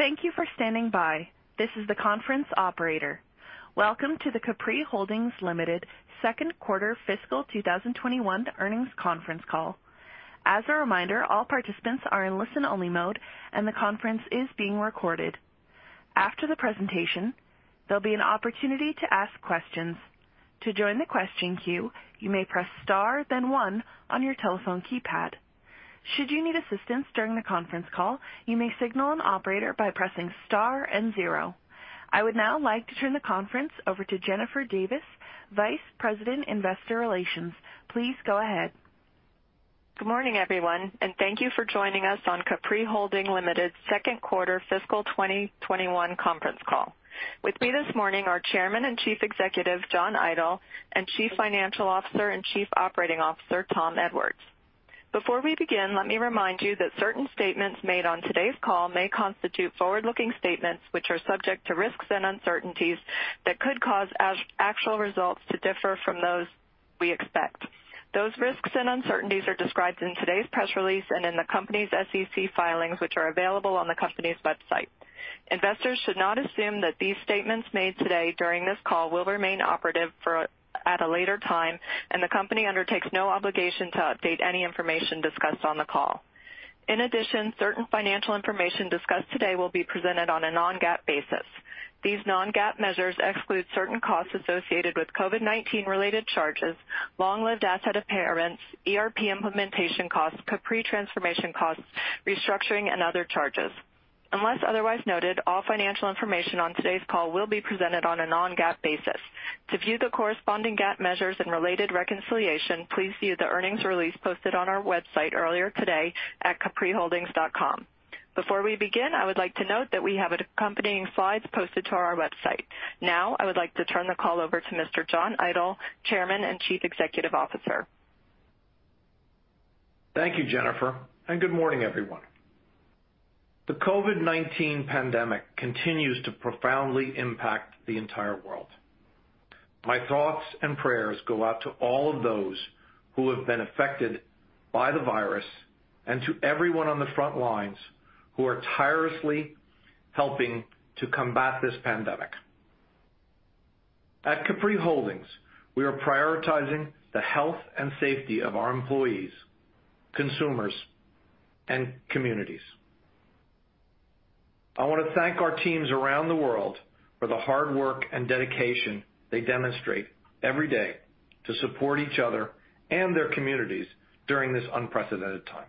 Thank you for standing by. This is the conference operator. Welcome to the Capri Holdings Limited second quarter fiscal 2021 earnings conference call. As a reminder, all participants are in listen-only mode, and the conference is being recorded. After the presentation, there'll be an opportunity to ask questions. To join the question queue, you may press star then one on your telephone keypad. Should you need assistance during the conference call, you may signal an operator by pressing star and zero. I would now like to turn the conference over to Jennifer Davis, Vice President, Investor Relations. Please go ahead. Good morning, everyone, and thank you for joining us on Capri Holdings Limited's second quarter fiscal 2021 conference call. With me this morning are Chairman and Chief Executive, John Idol, and Chief Financial Officer and Chief Operating Officer, Tom Edwards. Before we begin, let me remind you that certain statements made on today's call may constitute forward-looking statements which are subject to risks and uncertainties that could cause actual results to differ from those we expect. Those risks and uncertainties are described in today's press release and in the company's SEC filings, which are available on the company's website. Investors should not assume that these statements made today during this call will remain operative at a later time. The company undertakes no obligation to update any information discussed on the call. In addition, certain financial information discussed today will be presented on a non-GAAP basis. These non-GAAP measures exclude certain costs associated with COVID-19 related charges, long lived asset impairments, ERP implementation costs, Capri transformation costs, restructuring and other charges. Unless otherwise noted, all financial information on today's call will be presented on a non-GAAP basis. To view the corresponding GAAP measures and related reconciliation, please view the earnings release posted on our website earlier today at capriholdings.com. Before we begin, I would like to note that we have accompanying slides posted to our website. Now, I would like to turn the call over to Mr. John Idol, Chairman and Chief Executive Officer. Thank you, Jennifer, and good morning, everyone. The COVID-19 pandemic continues to profoundly impact the entire world. My thoughts and prayers go out to all of those who have been affected by the virus and to everyone on the front lines who are tirelessly helping to combat this pandemic. At Capri Holdings, we are prioritizing the health and safety of our employees, consumers, and communities. I want to thank our teams around the world for the hard work and dedication they demonstrate every day to support each other and their communities during this unprecedented time.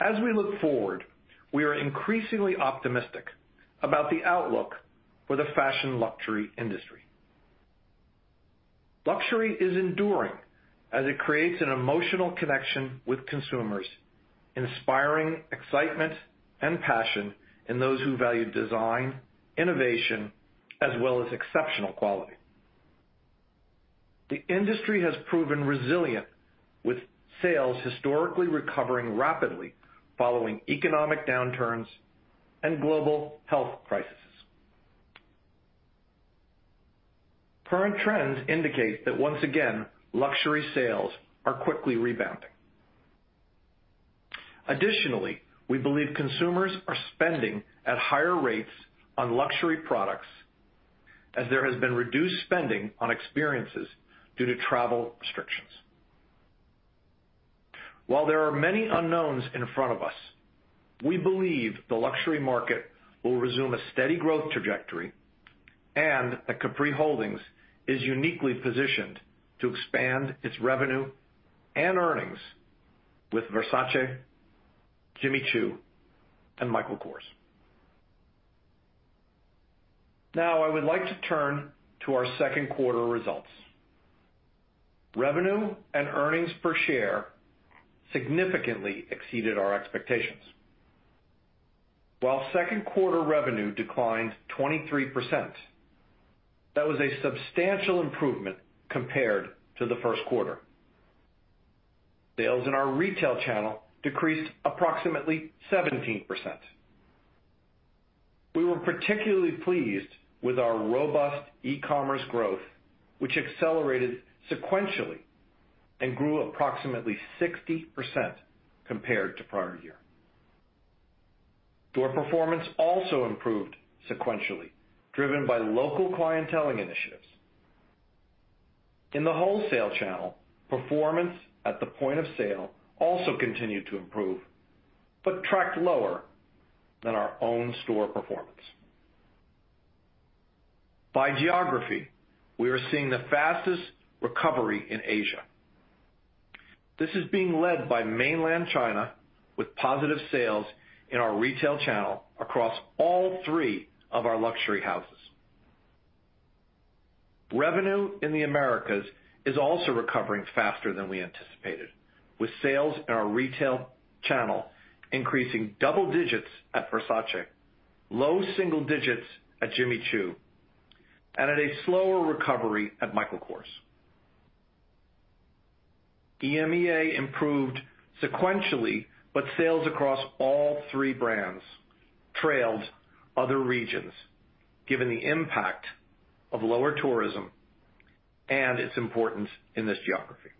As we look forward, we are increasingly optimistic about the outlook for the fashion luxury industry. Luxury is enduring as it creates an emotional connection with consumers, inspiring excitement and passion in those who value design, innovation, as well as exceptional quality. The industry has proven resilient, with sales historically recovering rapidly following economic downturns and global health crises. Current trends indicate that once again, luxury sales are quickly rebounding. Additionally, we believe consumers are spending at higher rates on luxury products as there has been reduced spending on experiences due to travel restrictions. While there are many unknowns in front of us, we believe the luxury market will resume a steady growth trajectory and that Capri Holdings is uniquely positioned to expand its revenue and earnings with Versace, Jimmy Choo, and Michael Kors. Now, I would like to turn to our second quarter results. Revenue and earnings per share significantly exceeded our expectations. While second quarter revenue declined 23%, that was a substantial improvement compared to the first quarter. Sales in our retail channel decreased approximately 17%. We were particularly pleased with our robust e-commerce growth, which accelerated sequentially and grew approximately 60% compared to prior year. Store performance also improved sequentially, driven by local clienteling initiatives. In the wholesale channel, performance at the point of sale also continued to improve, but tracked lower than our own store performance. By geography, we are seeing the fastest recovery in Asia. This is being led by mainland China with positive sales in our retail channel across all three of our luxury houses. Revenue in the Americas is also recovering faster than we anticipated, with sales in our retail channel increasing double digits at Versace, low single digits at Jimmy Choo, and at a slower recovery at Michael Kors. EMEA improved sequentially, but sales across all three brands trailed other regions, given the impact of lower tourism and its importance in this geography.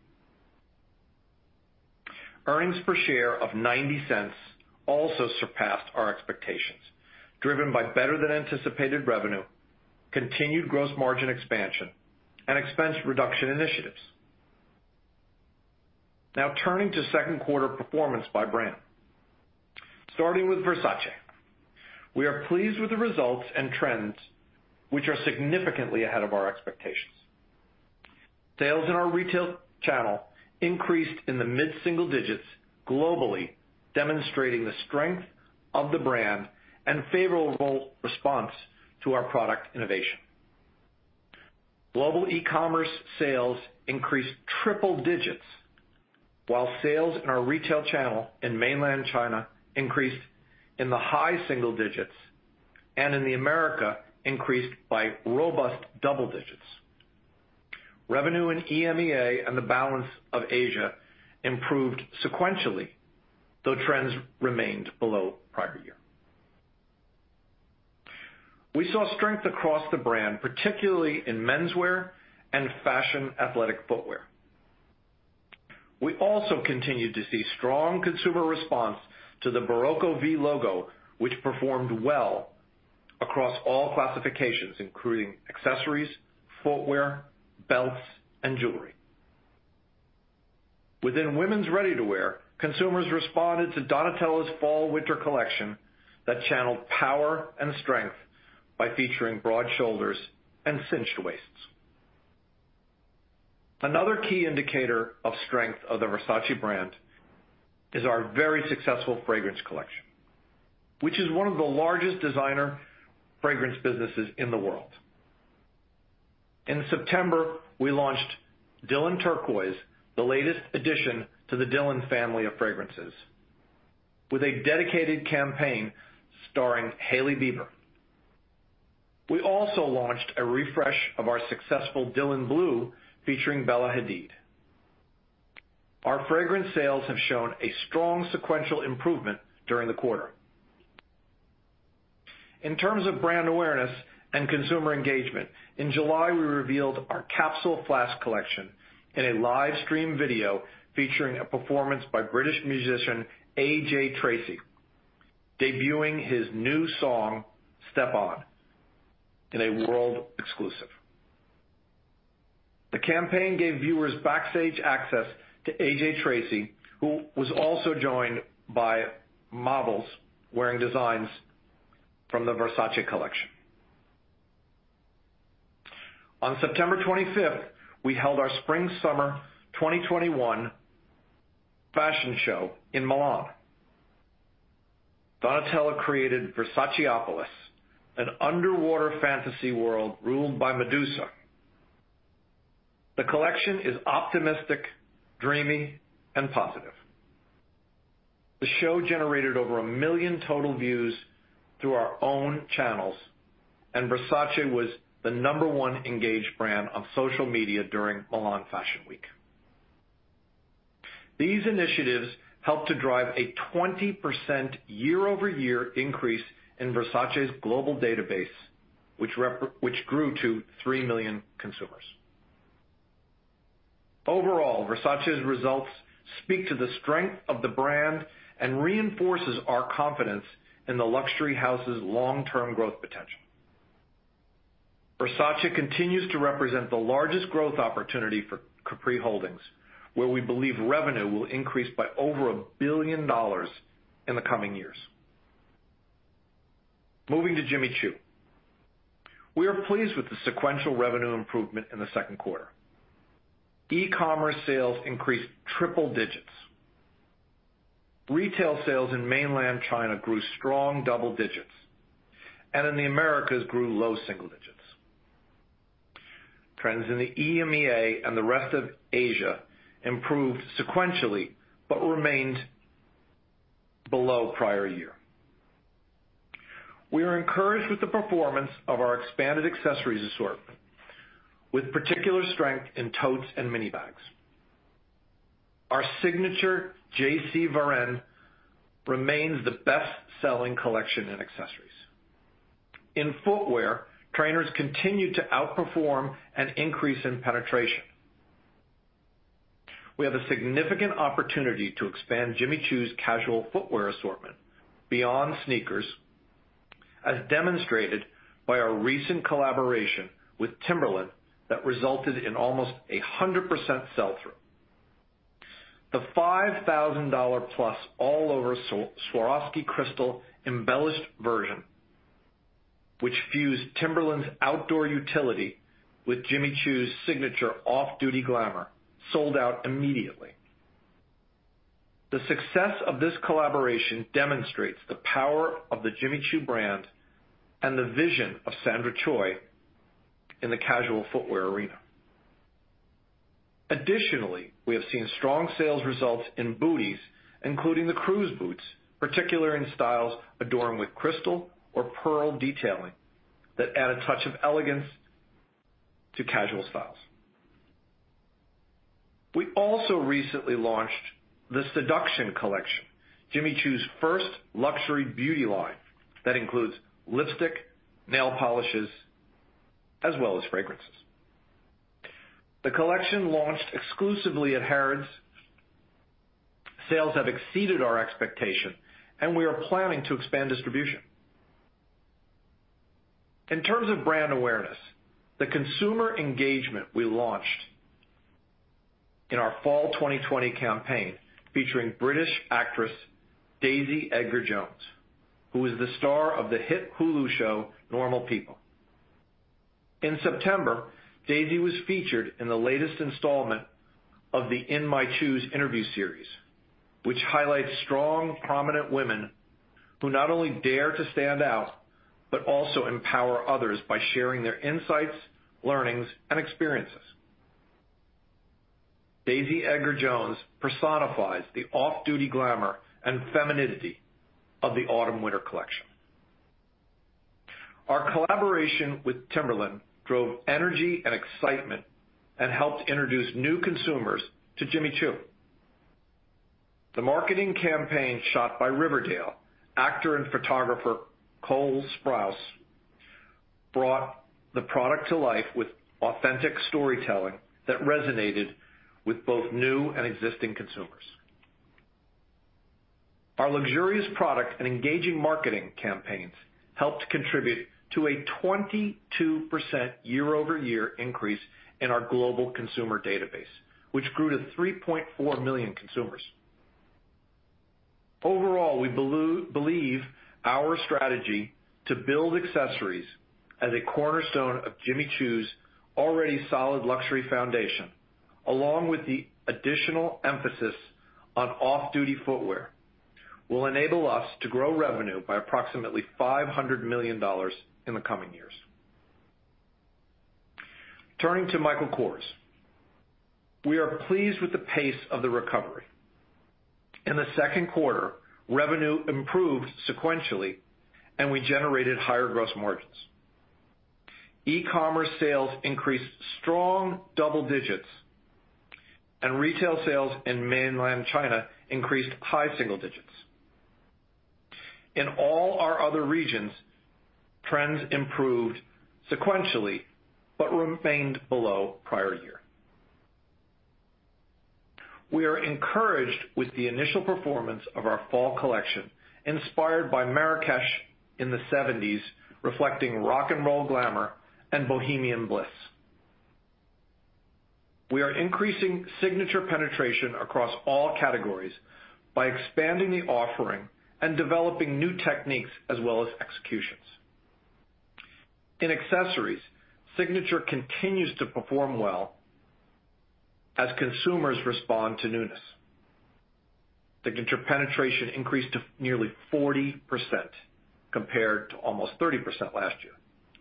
Earnings per share of $0.90 also surpassed our expectations, driven by better than anticipated revenue, continued gross margin expansion, and expense reduction initiatives. Now, turning to second quarter performance by brand. Starting with Versace. We are pleased with the results and trends, which are significantly ahead of our expectations. Sales in our retail channel increased in the mid-single digits globally, demonstrating the strength of the brand and favorable response to our product innovation. Global e-commerce sales increased triple digits, while sales in our retail channel in mainland China increased in the high single digits, and in the America increased by robust double digits. Revenue in EMEA and the balance of Asia improved sequentially, though trends remained below prior year. We saw strength across the brand, particularly in menswear and fashion athletic footwear. We also continued to see strong consumer response to the Barocco V logo, which performed well across all classifications, including accessories, footwear, belts, and jewelry. Within women's ready-to-wear, consumers responded to Donatella's fall/winter collection that channeled power and strength by featuring broad shoulders and cinched waists. Another key indicator of strength of the Versace brand is our very successful fragrance collection, which is one of the largest designer fragrance businesses in the world. In September, we launched Dylan Turquoise, the latest addition to the Dylan family of fragrances, with a dedicated campaign starring Hailey Bieber. We also launched a refresh of our successful Dylan Blue featuring Bella Hadid. Our fragrance sales have shown a strong sequential improvement during the quarter. In terms of brand awareness and consumer engagement, in July, we revealed our capsule Flash collection in a live stream video featuring a performance by British musician AJ Tracey, debuting his new song, Step On, in a world exclusive. The campaign gave viewers backstage access to AJ Tracey, who was also joined by models wearing designs from the Versace collection. On September 25th, we held our Spring/Summer 2021 fashion show in Milan. Donatella created Versaceopolis, an underwater fantasy world ruled by Medusa. The collection is optimistic, dreamy, and positive. The show generated over 1 million total views through our own channels, and Versace was the number one engaged brand on social media during Milan Fashion Week. These initiatives helped to drive a 20% year-over-year increase in Versace's global database, which grew to 3 million consumers. Overall, Versace's results speak to the strength of the brand and reinforces our confidence in the luxury house's long-term growth potential. Versace continues to represent the largest growth opportunity for Capri Holdings, where we believe revenue will increase by over $1 billion in the coming years. Moving to Jimmy Choo. We are pleased with the sequential revenue improvement in the second quarter. E-commerce sales increased triple digits. Retail sales in mainland China grew strong double digits, and in the Americas grew low single digits. Trends in the EMEA and the rest of Asia improved sequentially, but remained below prior year. We are encouraged with the performance of our expanded accessories assortment, with particular strength in totes and mini bags. Our signature JC Varenne remains the best-selling collection in accessories. In footwear, trainers continue to outperform an increase in penetration. We have a significant opportunity to expand Jimmy Choo's casual footwear assortment beyond sneakers, as demonstrated by our recent collaboration with Timberland that resulted in almost 100% sell-through. The $5,000+ all-over Swarovski crystal embellished version, which fused Timberland's outdoor utility with Jimmy Choo's signature off-duty glamour, sold out immediately. The success of this collaboration demonstrates the power of the Jimmy Choo brand and the vision of Sandra Choi in the casual footwear arena. Additionally, we have seen strong sales results in booties, including the Cruz boots, particularly in styles adorned with crystal or pearl detailing that add a touch of elegance to casual styles. We also recently launched the Seduction collection, Jimmy Choo's first luxury beauty line that includes lipstick, nail polishes, as well as fragrances. The collection launched exclusively at Harrods. Sales have exceeded our expectation, and we are planning to expand distribution. In terms of brand awareness, the consumer engagement we launched in our fall 2020 campaign featuring British actress Daisy Edgar-Jones, who is the star of the hit Hulu show, Normal People. In September, Daisy was featured in the latest installment of the In My Choos interview series, which highlights strong, prominent women who not only dare to stand out, but also empower others by sharing their insights, learnings, and experiences. Daisy Edgar-Jones personifies the off-duty glamour and femininity of the autumn/winter collection. Our collaboration with Timberland drove energy and excitement and helped introduce new consumers to Jimmy Choo. The marketing campaign shot by Riverdale actor and photographer, Cole Sprouse, brought the product to life with authentic storytelling that resonated with both new and existing consumers. Our luxurious products and engaging marketing campaigns helped contribute to a 22% year-over-year increase in our global consumer database, which grew to 3.4 million consumers. Overall, we believe our strategy to build accessories as a cornerstone of Jimmy Choo's already solid luxury foundation, along with the additional emphasis on off-duty footwear, will enable us to grow revenue by approximately $500 million in the coming years. Turning to Michael Kors. We are pleased with the pace of the recovery. In the second quarter, revenue improved sequentially, and we generated higher gross margins. E-commerce sales increased strong double digits, and retail sales in mainland China increased high single digits. In all our other regions, trends improved sequentially but remained below prior year. We are encouraged with the initial performance of our fall collection, inspired by Marrakech in the '70s, reflecting rock 'n' roll glamour and bohemian bliss. We are increasing signature penetration across all categories by expanding the offering and developing new techniques as well as executions. In accessories, signature continues to perform well as consumers respond to newness. Signature penetration increased to nearly 40%, compared to almost 30% last year,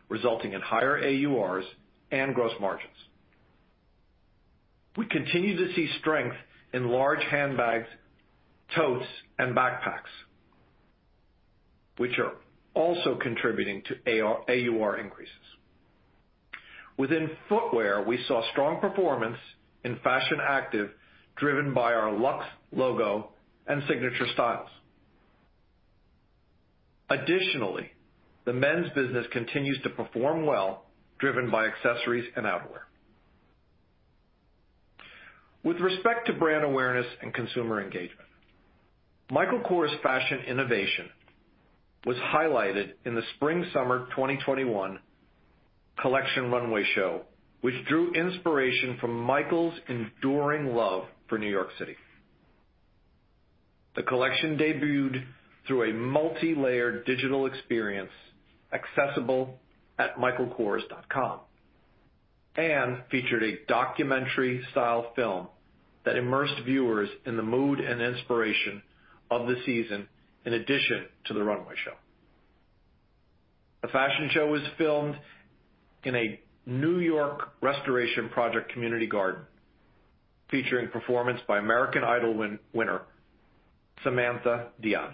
resulting in higher AURs and gross margins. We continue to see strength in large handbags, totes, and backpacks, which are also contributing to AUR increases. Within footwear, we saw strong performance in fashion active, driven by our luxe logo and signature styles. Additionally, the men's business continues to perform well, driven by accessories and outerwear. With respect to brand awareness and consumer engagement, Michael Kors' fashion innovation was highlighted in the spring/summer 2021 collection runway show, which drew inspiration from Michael's enduring love for New York City. The collection debuted through a multilayered digital experience accessible at michaelkors.com and featured a documentary-style film that immersed viewers in the mood and inspiration of the season in addition to the runway show. The fashion show was filmed in a New York restoration project community garden featuring performance by American Idol winner, Samantha Diaz.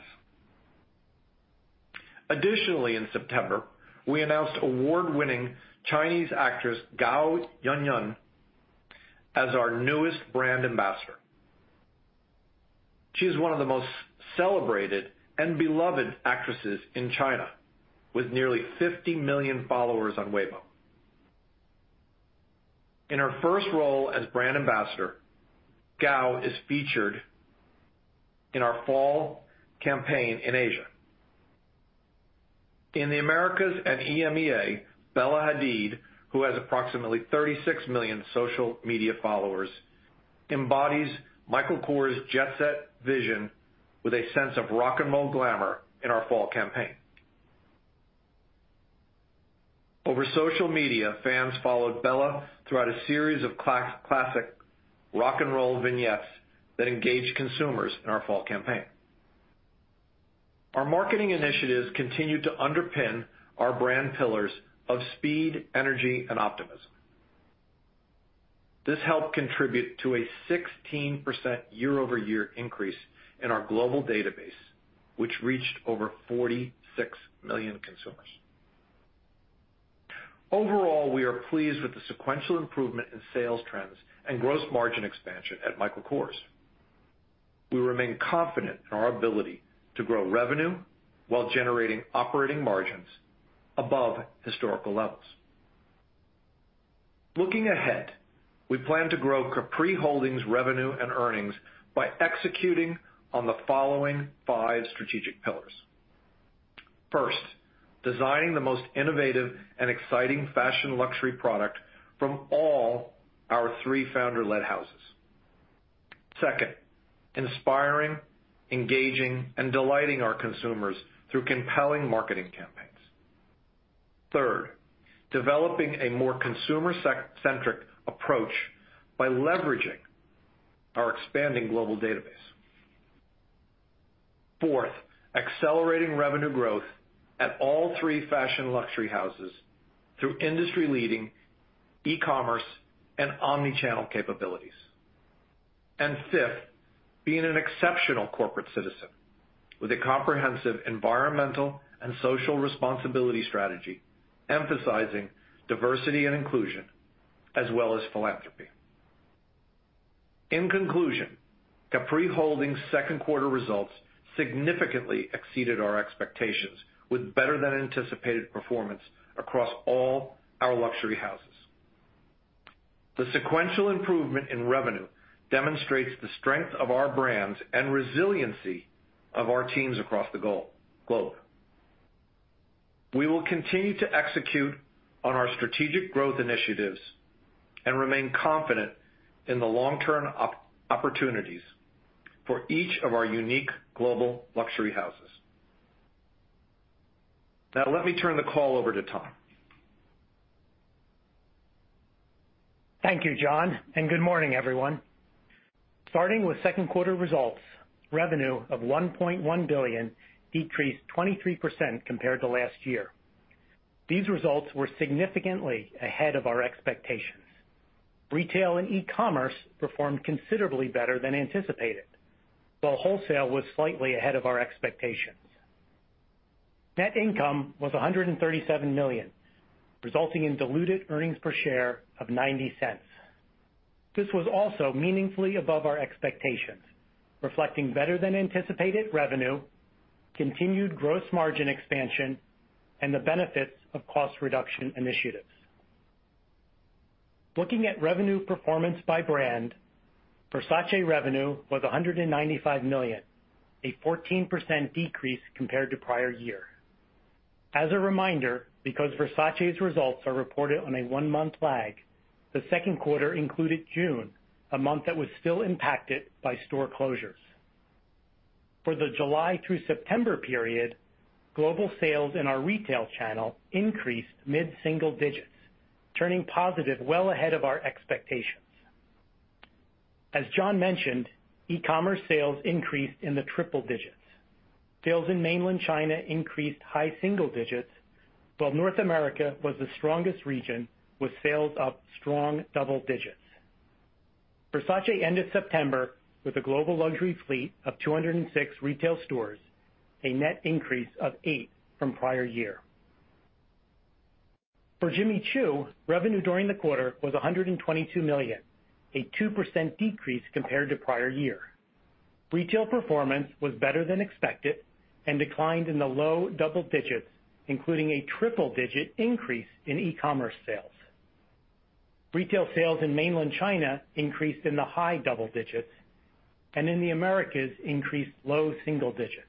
Additionally, in September, we announced award-winning Chinese actress Gao Yuanyuan as our newest brand ambassador. She is one of the most celebrated and beloved actresses in China, with nearly 50 million followers on Weibo. In her first role as brand ambassador, Gao is featured in our fall campaign in Asia. In the Americas and EMEA, Bella Hadid, who has approximately 36 million social media followers, embodies Michael Kors' jet-set vision with a sense of rock 'n' roll glamour in our fall campaign. Over social media, fans followed Bella throughout a series of classic rock 'n' roll vignettes that engage consumers in our fall campaign. Our marketing initiatives continue to underpin our brand pillars of speed, energy, and optimism. This helped contribute to a 16% year-over-year increase in our global database, which reached over 46 million consumers. Overall, we are pleased with the sequential improvement in sales trends and gross margin expansion at Michael Kors. We remain confident in our ability to grow revenue while generating operating margins above historical levels. Looking ahead, we plan to grow Capri Holdings revenue and earnings by executing on the following five strategic pillars. First, designing the most innovative and exciting fashion luxury product from all our three founder-led houses. Second, inspiring, engaging, and delighting our consumers through compelling marketing campaigns. Third, developing a more consumer-centric approach by leveraging our expanding global database. Fourth, accelerating revenue growth at all three fashion luxury houses through industry-leading e-commerce and omni-channel capabilities. Fifth, being an exceptional corporate citizen with a comprehensive environmental and social responsibility strategy emphasizing diversity and inclusion, as well as philanthropy. In conclusion, Capri Holdings second quarter results significantly exceeded our expectations with better than anticipated performance across all our luxury houses. The sequential improvement in revenue demonstrates the strength of our brands and resiliency of our teams across the globe. We will continue to execute on our strategic growth initiatives and remain confident in the long-term opportunities for each of our unique global luxury houses. Let me turn the call over to Tom. Thank you, John. Good morning, everyone. Starting with second quarter results, revenue of $1.1 billion decreased 23% compared to last year. These results were significantly ahead of our expectations. Retail and e-commerce performed considerably better than anticipated, while wholesale was slightly ahead of our expectations. Net income was $137 million, resulting in diluted earnings per share of $0.90. This was also meaningfully above our expectations, reflecting better than anticipated revenue, continued gross margin expansion, and the benefits of cost reduction initiatives. Looking at revenue performance by brand, Versace revenue was $195 million, a 14% decrease compared to prior year. As a reminder, because Versace's results are reported on a one-month lag, the second quarter included June, a month that was still impacted by store closures. For the July through September period, global sales in our retail channel increased mid-single digits, turning positive well ahead of our expectations. As John mentioned, e-commerce sales increased in the triple digits. Sales in mainland China increased high single digits, while North America was the strongest region with sales up strong double digits. Versace ended September with a global luxury fleet of 206 retail stores, a net increase of eight from prior year. For Jimmy Choo, revenue during the quarter was $122 million, a 2% decrease compared to prior year. Retail performance was better than expected and declined in the low double digits, including a triple-digit increase in e-commerce sales. Retail sales in mainland China increased in the high double digits, and in the Americas increased low single digits.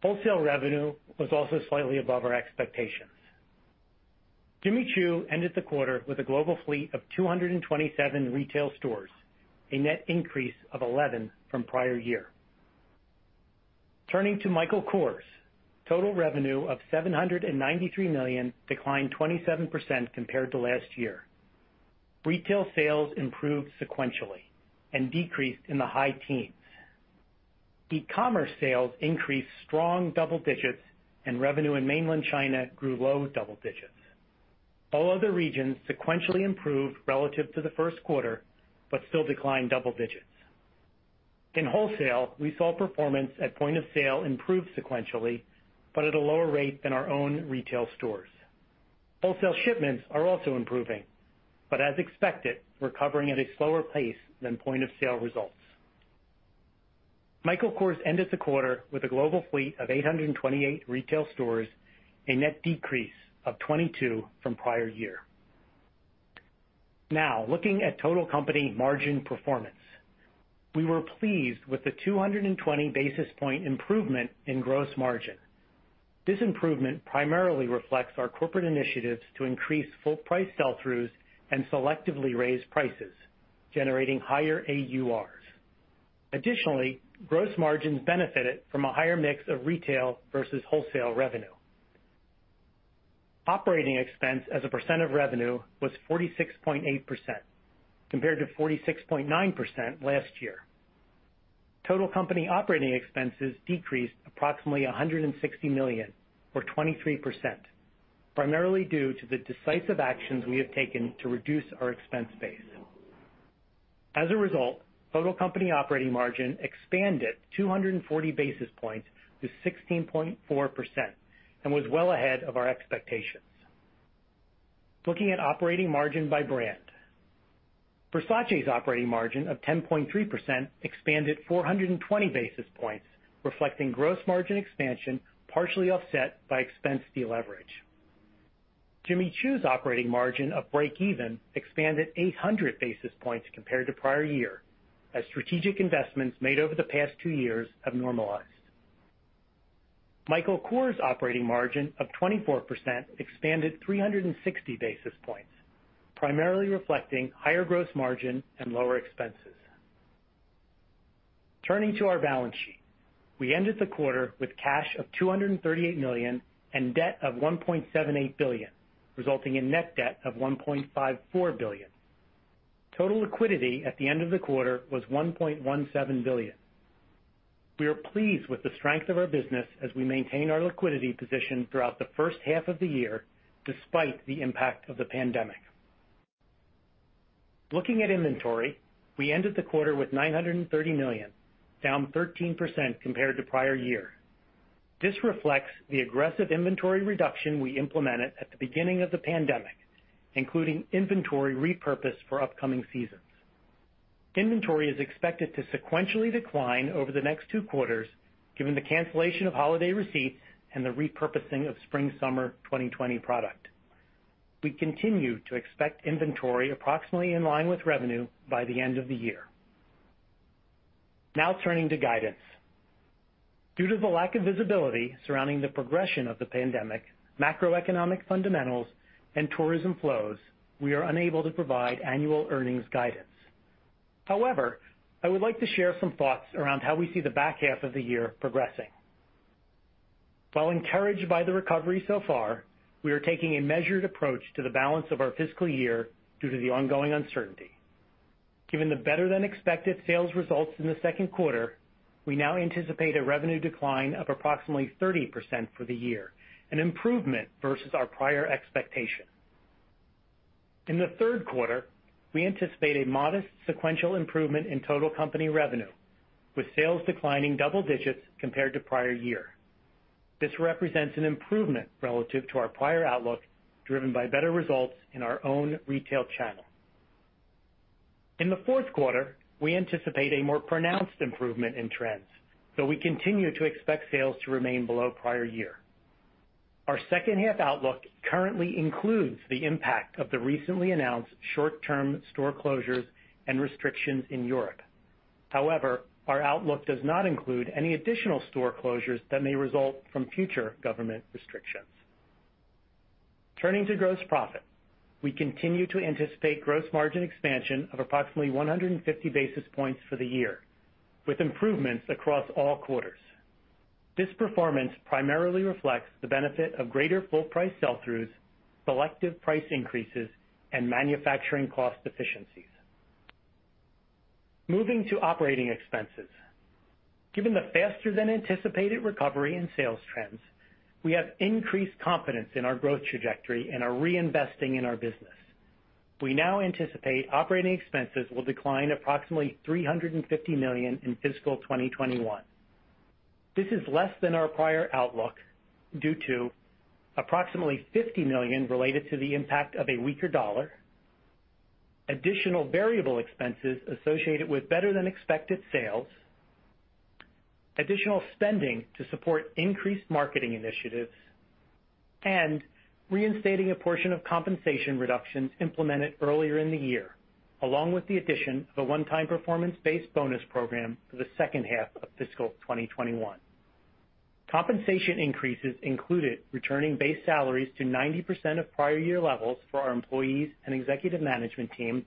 Wholesale revenue was also slightly above our expectations. Jimmy Choo ended the quarter with a global fleet of 227 retail stores, a net increase of 11 from prior year. Turning to Michael Kors, total revenue of $793 million declined 27% compared to last year. Retail sales improved sequentially and decreased in the high teens. E-commerce sales increased strong double digits and revenue in mainland China grew low double digits. All other regions sequentially improved relative to the first quarter, but still declined double digits. In wholesale, we saw performance at point of sale improve sequentially, but at a lower rate than our own retail stores. Wholesale shipments are also improving, but as expected, recovering at a slower pace than point-of-sale results. Michael Kors ended the quarter with a global fleet of 828 retail stores, a net decrease of 22 from prior year. Looking at total company margin performance. We were pleased with the 220-basis point improvement in gross margin. This improvement primarily reflects our corporate initiatives to increase full price sell-throughs and selectively raise prices, generating higher AURs. Additionally, gross margins benefited from a higher mix of retail versus wholesale revenue. Operating expense as a percent of revenue was 46.8% compared to 46.9% last year. Total company operating expenses decreased approximately $160 million or 23%, primarily due to the decisive actions we have taken to reduce our expense base. As a result, total company operating margin expanded 240 basis points to 16.4% and was well ahead of our expectations. Looking at operating margin by brand. Versace's operating margin of 10.3% expanded 420 basis points, reflecting gross margin expansion partially offset by expense deleverage. Jimmy Choo's operating margin of breakeven expanded 800 basis points compared to prior year, as strategic investments made over the past two years have normalized. Michael Kors' operating margin of 24% expanded 360 basis points, primarily reflecting higher gross margin and lower expenses. Turning to our balance sheet. We ended the quarter with cash of $238 million and debt of $1.78 billion, resulting in net debt of $1.54 billion. Total liquidity at the end of the quarter was $1.17 billion. We are pleased with the strength of our business as we maintain our liquidity position throughout the first half of the year, despite the impact of the pandemic. Looking at inventory, we ended the quarter with $930 million, down 13% compared to prior year. This reflects the aggressive inventory reduction we implemented at the beginning of the pandemic, including inventory repurpose for upcoming seasons. Inventory is expected to sequentially decline over the next two quarters given the cancellation of holiday receipts and the repurposing of spring-summer 2020 product. We continue to expect inventory approximately in line with revenue by the end of the year. Now turning to guidance. Due to the lack of visibility surrounding the progression of the pandemic, macroeconomic fundamentals, and tourism flows, we are unable to provide annual earnings guidance. However, I would like to share some thoughts around how we see the back half of the year progressing. While encouraged by the recovery so far, we are taking a measured approach to the balance of our fiscal year due to the ongoing uncertainty. Given the better-than-expected sales results in the second quarter, we now anticipate a revenue decline of approximately 30% for the year, an improvement versus our prior expectation. In the third quarter, we anticipate a modest sequential improvement in total company revenue, with sales declining double digits compared to prior year. This represents an improvement relative to our prior outlook, driven by better results in our own retail channel. In the fourth quarter, we anticipate a more pronounced improvement in trends, though we continue to expect sales to remain below prior year. Our second-half outlook currently includes the impact of the recently announced short-term store closures and restrictions in Europe. Our outlook does not include any additional store closures that may result from future government restrictions. Turning to gross profit. We continue to anticipate gross margin expansion of approximately 150 basis points for the year, with improvements across all quarters. This performance primarily reflects the benefit of greater full-price sell-throughs, selective price increases, and manufacturing cost efficiencies. Moving to operating expenses. Given the faster-than-anticipated recovery in sales trends, we have increased confidence in our growth trajectory and are reinvesting in our business. We now anticipate operating expenses will decline approximately $350 million in FY 2021. This is less than our prior outlook due to approximately $50 million related to the impact of a weaker dollar, additional variable expenses associated with better-than-expected sales. Additional spending to support increased marketing initiatives, and reinstating a portion of compensation reductions implemented earlier in the year, along with the addition of a one-time performance-based bonus program for the second half of fiscal 2021. Compensation increases included returning base salaries to 90% of prior year levels for our employees and executive management team,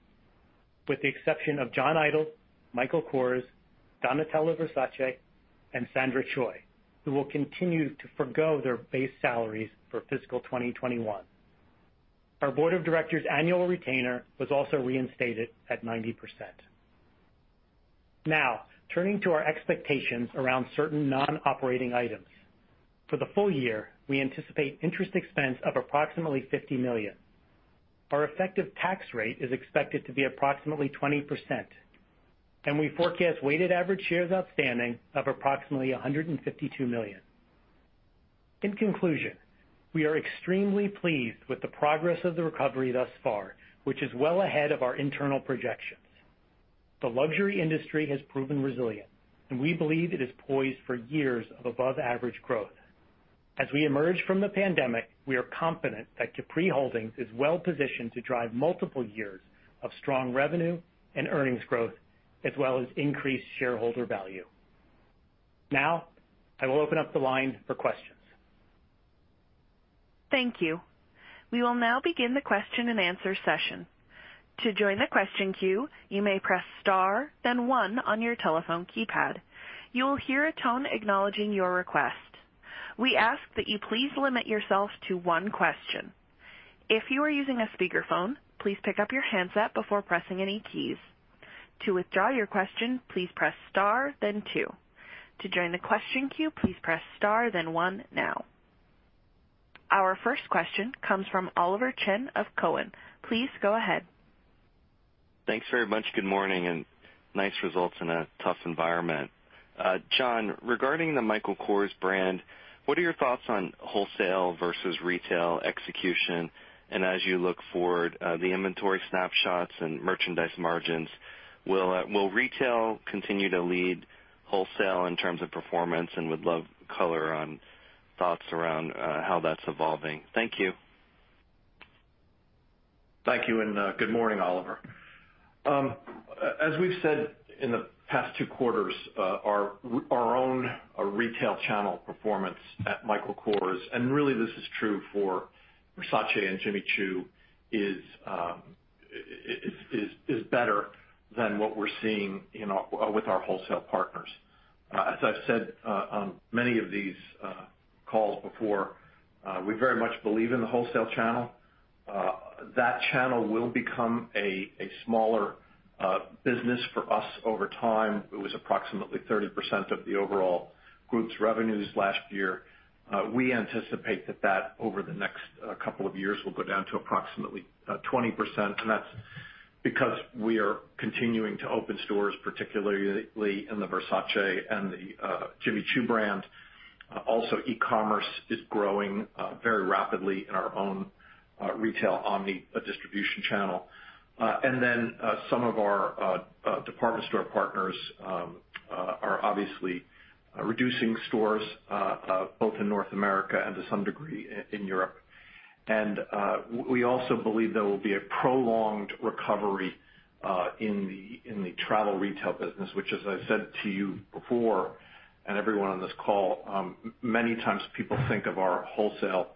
with the exception of John Idol, Michael Kors, Donatella Versace, and Sandra Choi, who will continue to forgo their base salaries for fiscal 2021. Our board of directors' annual retainer was also reinstated at 90%. Now, turning to our expectations around certain non-operating items. For the full year, we anticipate interest expense of approximately $50 million. Our effective tax rate is expected to be approximately 20%, and we forecast weighted average shares outstanding of approximately 152 million. In conclusion, we are extremely pleased with the progress of the recovery thus far, which is well ahead of our internal projections. The luxury industry has proven resilient, and we believe it is poised for years of above-average growth. As we emerge from the pandemic, we are confident that Capri Holdings is well-positioned to drive multiple years of strong revenue and earnings growth, as well as increased shareholder value. Now, I will open up the line for questions. Thank you. We will now begin the question-and-answer session. Our first question comes from Oliver Chen of Cowen. Please go ahead. Thanks very much. Good morning, nice results in a tough environment. John, regarding the Michael Kors brand, what are your thoughts on wholesale versus retail execution? As you look forward, the inventory snapshots and merchandise margins, will retail continue to lead wholesale in terms of performance? Would love color on thoughts around how that's evolving. Thank you. Thank you, and good morning, Oliver. As we've said in the past two quarters, our own retail channel performance at Michael Kors, and really this is true for Versace and Jimmy Choo, is better than what we're seeing with our wholesale partners. As I've said on many of these calls before, we very much believe in the wholesale channel. That channel will become a smaller business for us over time. It was approximately 30% of the overall group's revenues last year. We anticipate that over the next couple of years, we'll go down to approximately 20%, and that's because we are continuing to open stores, particularly in the Versace and the Jimmy Choo brand. Also, e-commerce is growing very rapidly in our own retail omni distribution channel. Then some of our department store partners are obviously reducing stores both in North America and to some degree, in Europe. We also believe there will be a prolonged recovery in the travel retail business, which, as I've said to you before, and everyone on this call, many times people think of our wholesale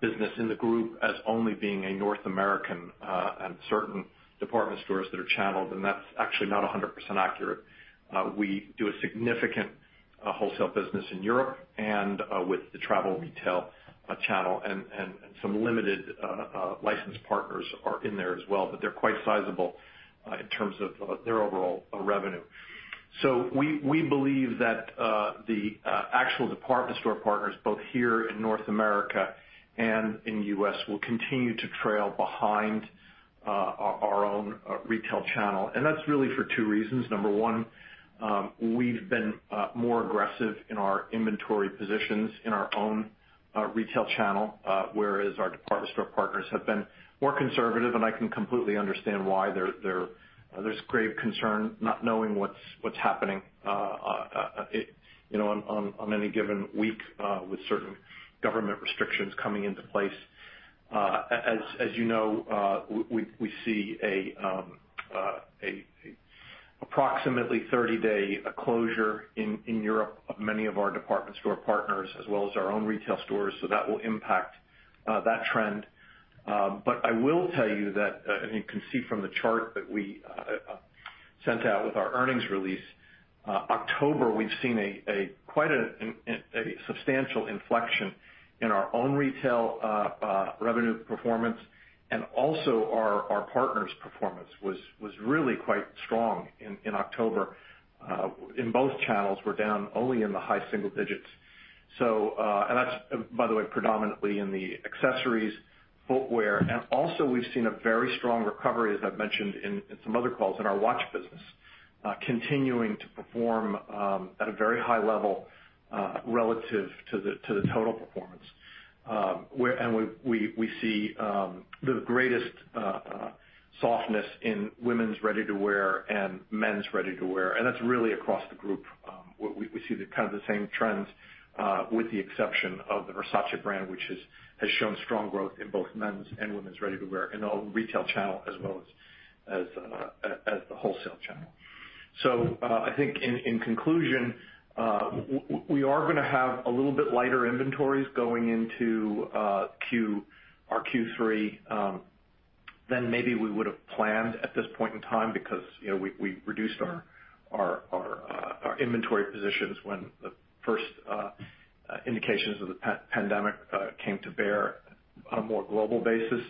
business in the group as only being a North American and certain department stores that are channeled, and that's actually not 100% accurate. We do a significant wholesale business in Europe and with the travel retail channel, and some limited license partners are in there as well, but they're quite sizable in terms of their overall revenue. We believe that the actual department store partners, both here in North America and in the U.S., will continue to trail behind our own retail channel. That's really for two reasons. Number one, we've been more aggressive in our inventory positions in our own retail channel, whereas our department store partners have been more conservative. I can completely understand why there's great concern not knowing what's happening on any given week with certain government restrictions coming into place. As you know, we see approximately a 30-day closure in Europe of many of our department store partners, as well as our own retail stores. That will impact that trend. I will tell you that, and you can see from the chart that we sent out with our earnings release, October, we've seen quite a substantial inflection in our own retail revenue performance, and also our partners' performance was really quite strong in October. In both channels, we're down only in the high single digits. That's, by the way, predominantly in the accessories, footwear. Also we've seen a very strong recovery, as I've mentioned in some other calls, in our watch business continuing to perform at a very high level relative to the total performance. We see the greatest softness in women's ready-to-wear and men's ready-to-wear, and that's really across the group. We see the same trends with the exception of the Versace brand, which has shown strong growth in both men's and women's ready-to-wear in the retail channel as well as the wholesale channel. I think in conclusion, we are going to have a little bit lighter inventories going into our Q3 than maybe we would've planned at this point in time because we reduced our inventory positions when the first indications of the pandemic came to bear on a more global basis.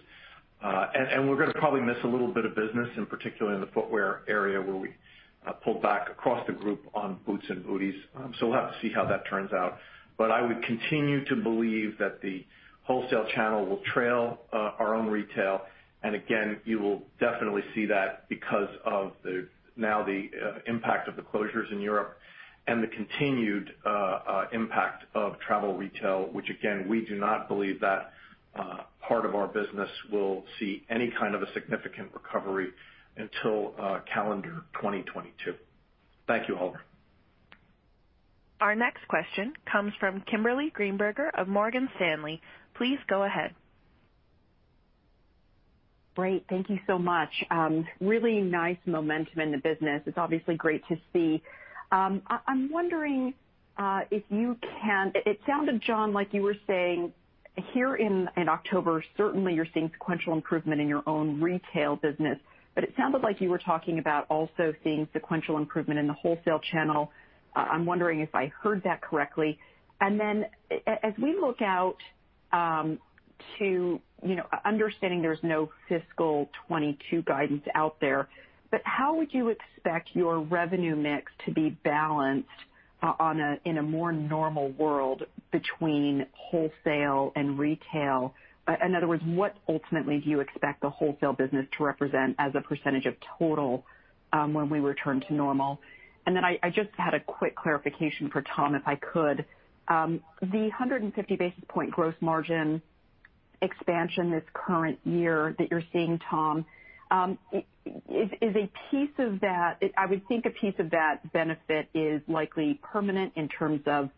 We're going to probably miss a little bit of business, and particularly in the footwear area where we pulled back across the group on boots and booties. We'll have to see how that turns out. I would continue to believe that the wholesale channel will trail our own retail. Again, you will definitely see that because of now the impact of the closures in Europe and the continued impact of travel retail, which again, we do not believe that part of our business will see any kind of a significant recovery until calendar 2022. Thank you, Oliver. Our next question comes from Kimberly Greenberger of Morgan Stanley. Please go ahead. Great. Thank you so much. Really nice momentum in the business. It's obviously great to see. It sounded, John, like you were saying here in October, certainly you're seeing sequential improvement in your own retail business, but it sounded like you were talking about also seeing sequential improvement in the wholesale channel. I'm wondering if I heard that correctly. As we look out to understanding there's no fiscal 2022 guidance out there, but how would you expect your revenue mix to be balanced in a more normal world between wholesale and retail? In other words, what ultimately do you expect the wholesale business to represent as a percentage of total when we return to normal? I just had a quick clarification for Tom, if I could. The 150 basis point gross margin expansion this current year that you're seeing, Tom, I would think a piece of that benefit is likely permanent in terms of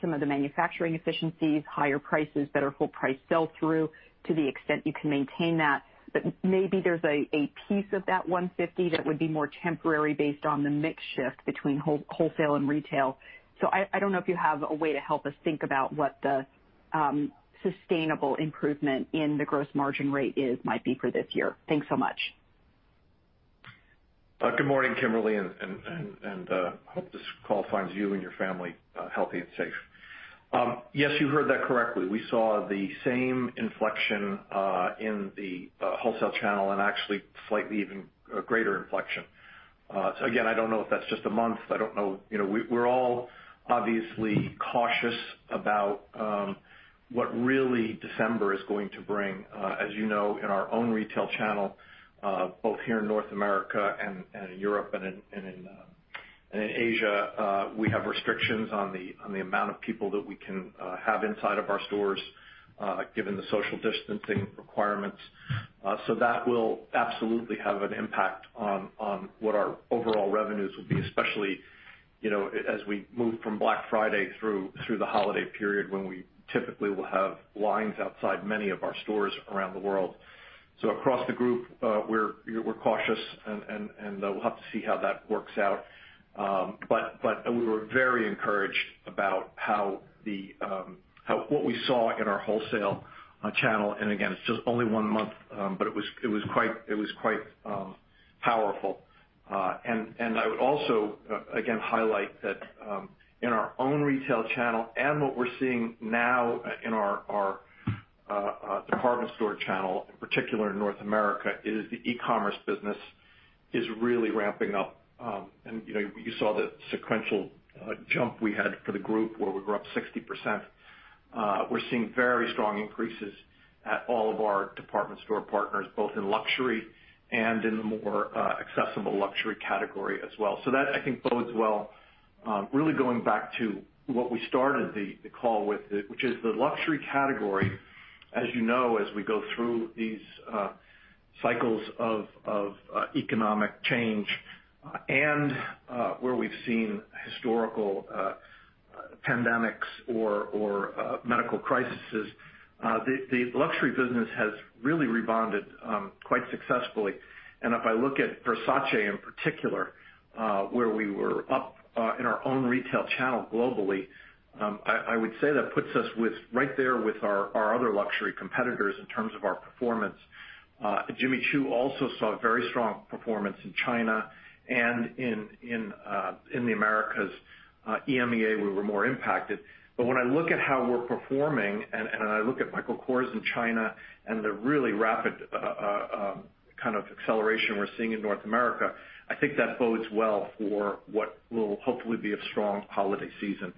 some of the manufacturing efficiencies, higher prices, better full price sell-through to the extent you can maintain that. Maybe there's a piece of that 150 that would be more temporary based on the mix shift between wholesale and retail. I don't know if you have a way to help us think about what the sustainable improvement in the gross margin rate is, might be for this year. Thanks so much. Good morning, Kimberly. Hope this call finds you and your family healthy and safe. Yes, you heard that correctly. We saw the same inflection in the wholesale channel and actually slightly even greater inflection. Again, I don't know if that's just a month. I don't know. We're all obviously cautious about what really December is going to bring. As you know, in our own retail channel, both here in North America and in Europe and in Asia, we have restrictions on the amount of people that we can have inside of our stores given the social distancing requirements. That will absolutely have an impact on what our overall revenues will be, especially as we move from Black Friday through the holiday period when we typically will have lines outside many of our stores around the world. Across the group, we're cautious, and we'll have to see how that works out. We were very encouraged about what we saw in our wholesale channel. Again, it's just only one month, but it was quite powerful. I would also, again, highlight that in our own retail channel and what we're seeing now in our department store channel, in particular in North America, is the e-commerce business is really ramping up. You saw the sequential jump we had for the group where we were up 60%. We're seeing very strong increases at all of our department store partners, both in luxury and in the more accessible luxury category as well. That, I think, bodes well. Really going back to what we started the call with, which is the luxury category. As you know, as we go through these cycles of economic change and where we've seen historical pandemics or medical crises, the luxury business has really rebonded quite successfully. If I look at Versace in particular, where we were up in our own retail channel globally, I would say that puts us right there with our other luxury competitors in terms of our performance. Jimmy Choo also saw very strong performance in China and in the Americas. EMEA, we were more impacted. When I look at how we're performing and I look at Michael Kors in China and the really rapid kind of acceleration we're seeing in North America, I think that bodes well for what will hopefully be a strong holiday season.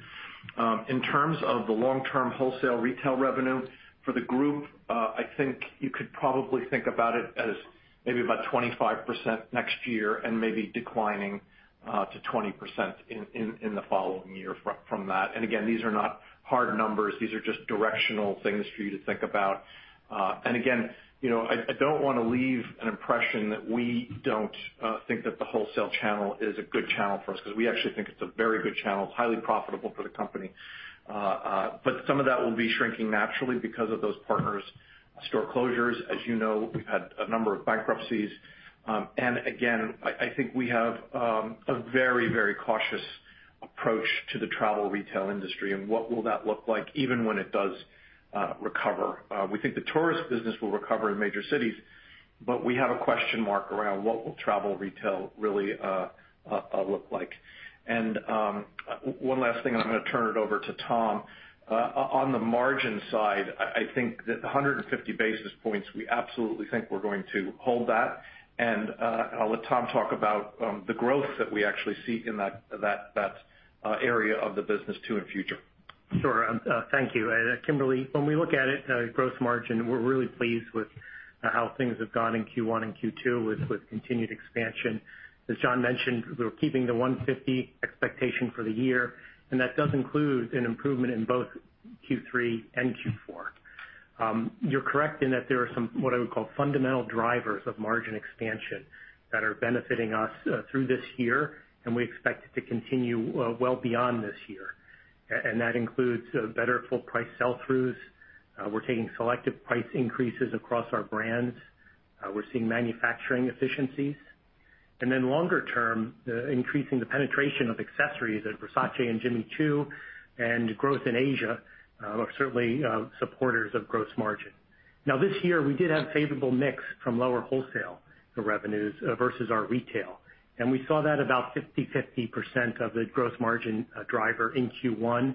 In terms of the long-term wholesale retail revenue for the group, I think you could probably think about it as maybe about 25% next year and maybe declining to 20% in the following year from that. Again, these are not hard numbers. These are just directional things for you to think about. Again, I don't want to leave an impression that we don't think that the wholesale channel is a good channel for us, because we actually think it's a very good channel. It's highly profitable for the company. Some of that will be shrinking naturally because of those partners' store closures. As you know, we've had a number of bankruptcies. Again, I think we have a very cautious approach to the travel retail industry, and what will that look like even when it does recover. We think the tourist business will recover in major cities, but we have a question mark around what will travel retail really look like. One last thing and I'm going to turn it over to Tom. On the margin side, I think the 150 basis points, we absolutely think we're going to hold that, and I'll let Tom talk about the growth that we actually see in that area of the business too, in future. Sure. Thank you. Kimberly, when we look at it, gross margin, we're really pleased with how things have gone in Q1 and Q2 with continued expansion. As John mentioned, we're keeping the 150 expectation for the year, and that does include an improvement in both Q3 and Q4. You're correct in that there are some, what I would call fundamental drivers of margin expansion that are benefiting us through this year, and we expect it to continue well beyond this year. That includes better full price sell-throughs. We're taking selective price increases across our brands. We're seeing manufacturing efficiencies. Longer term, increasing the penetration of accessories at Versace and Jimmy Choo, and growth in Asia are certainly supporters of gross margin. This year, we did have favorable mix from lower wholesale revenues versus our retail, and we saw that about 50% of the gross margin driver in Q1.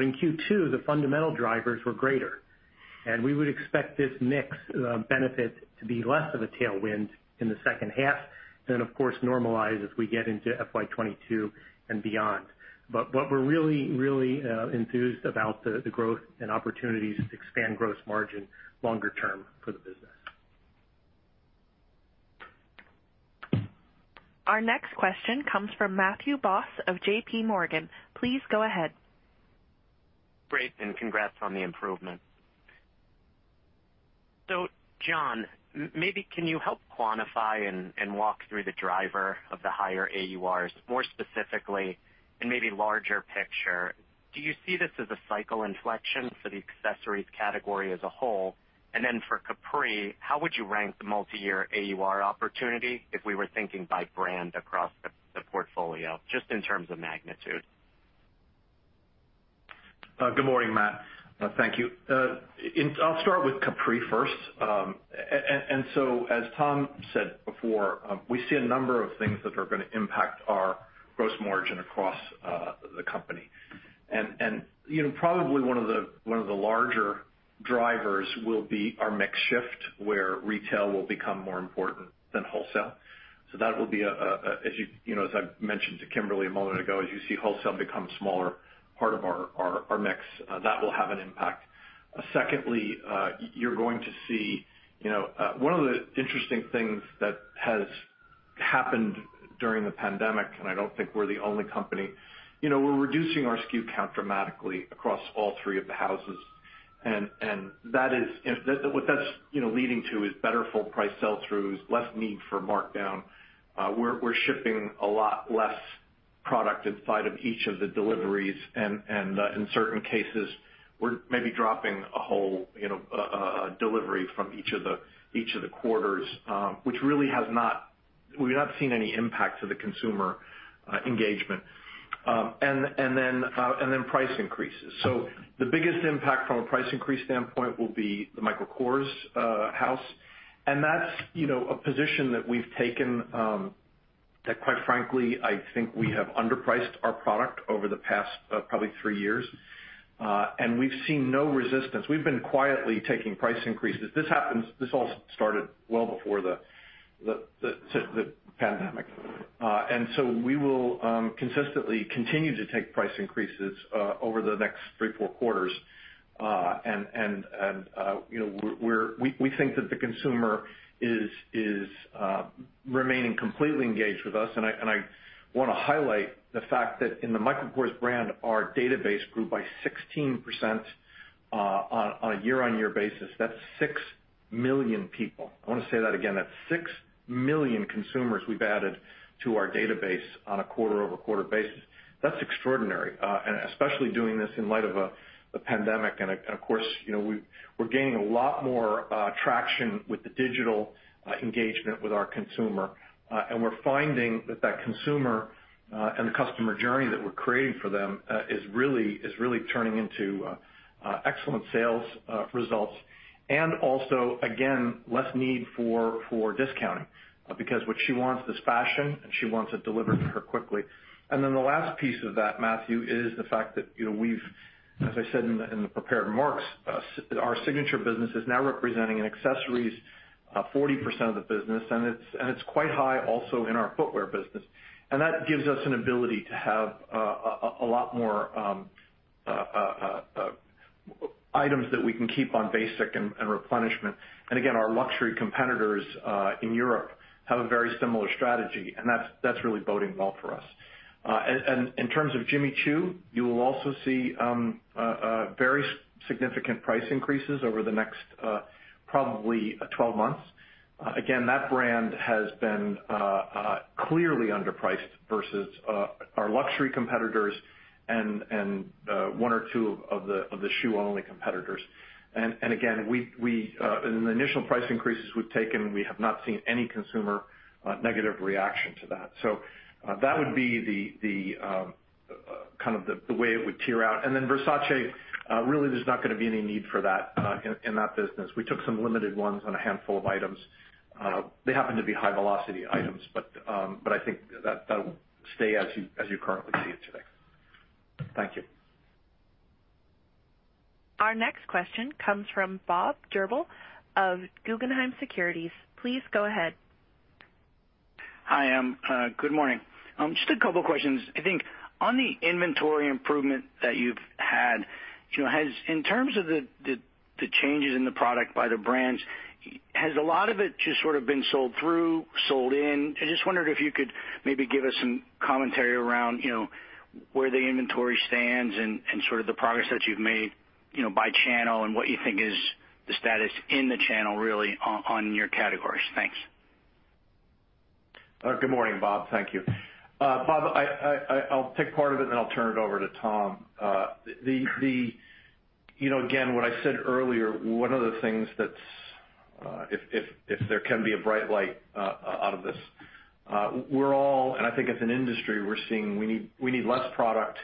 In Q2, the fundamental drivers were greater. We would expect this mix benefit to be less of a tailwind in the second half, then of course normalize as we get into FY 2022 and beyond. What we're really enthused about the growth and opportunities to expand gross margin longer term for the business. Our next question comes from Matthew Boss of JPMorgan. Please go ahead. Great, and congrats on the improvement. John, maybe can you help quantify and walk through the driver of the higher AURs, more specifically and maybe larger picture, do you see this as a cycle inflection for the accessories category as a whole? For Capri, how would you rank the multi-year AUR opportunity if we were thinking by brand across the portfolio, just in terms of magnitude? Good morning, Matt. Thank you. I'll start with Capri first. As Tom said before, we see a number of things that are going to impact our gross margin across the company. Probably one of the larger drivers will be our mix shift, where retail will become more important than wholesale. That will be as I mentioned to Kimberly a moment ago, as you see wholesale become smaller part of our mix. That will have an impact. Secondly, you're going to see one of the interesting things that has happened during the pandemic, and I don't think we're the only company. We're reducing our SKU count dramatically across all three of the houses, and what that's leading to is better full price sell-throughs, less need for markdown. We're shipping a lot less product inside of each of the deliveries, and in certain cases, we're maybe dropping a whole delivery from each of the quarters. We've not seen any impact to the consumer engagement. Price increases. The biggest impact from a price increase standpoint will be the Michael Kors house, and that's a position that we've taken that quite frankly, I think we have underpriced our product over the past probably three years. We've seen no resistance. We've been quietly taking price increases. This all started well before the pandemic. We will consistently continue to take price increases over the next three, four quarters. We think that the consumer is remaining completely engaged with us, and I want to highlight the fact that in the Michael Kors brand, our database grew by 16% on a year-on-year basis. That's six million people. I want to say that again. That's 6 million consumers we've added to our database on a quarter-over-quarter basis. That's extraordinary, especially doing this in light of a pandemic. Of course, we're gaining a lot more traction with the digital engagement with our consumer. We're finding that that consumer, and the customer journey that we're creating for them, is really turning into excellent sales results. Also, again, less need for discounting because what she wants is fashion, and she wants it delivered to her quickly. Then the last piece of that, Matthew, is the fact that we've, as I said in the prepared remarks, our signature business is now representing in accessories 40% of the business. It's quite high also in our footwear business. That gives us an ability to have a lot more items that we can keep on basic and replenishment. Again, our luxury competitors in Europe have a very similar strategy, and that's really boding well for us. In terms of Jimmy Choo, you will also see very significant price increases over the next probably 12 months. Again, that brand has been clearly underpriced versus our luxury competitors and one or two of the shoe-only competitors. Again, in the initial price increases we've taken, we have not seen any consumer negative reaction to that. That would be the way it would tier out. Versace, really there's not going to be any need for that in that business. We took some limited ones on a handful of items. They happen to be high velocity items, but I think that'll stay as you currently see it today. Thank you. Our next question comes from Bob Drbul of Guggenheim Securities. Please go ahead. Hi. Good morning. Just a couple questions. I think on the inventory improvement that you've had, in terms of the changes in the product by the brands, has a lot of it just sort of been sold through, sold in? I just wondered if you could maybe give us some commentary around where the inventory stands and sort of the progress that you've made by channel and what you think is the status in the channel really on your categories. Thanks. Good morning, Bob. Thank you. Bob, I'll take part of it, then I'll turn it over to Tom. Again, what I said earlier. If there can be a bright light out of this. We're all, and I think as an industry, we're seeing we need less product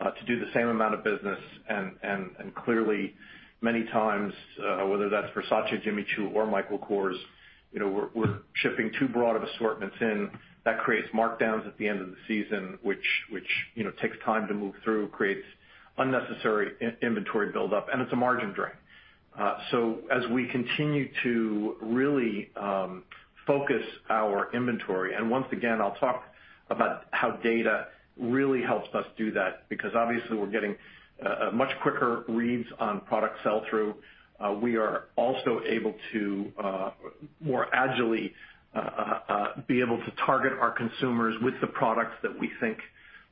to do the same amount of business, and clearly many times, whether that's Versace, Jimmy Choo or Michael Kors, we're shipping too broad of assortments in. That creates markdowns at the end of the season, which takes time to move through, creates unnecessary inventory buildup, and it's a margin drain. As we continue to really focus our inventory, and once again, I'll talk about how data really helps us do that, because obviously we're getting much quicker reads on product sell-through. We are also able to more agilely be able to target our consumers with the products that we think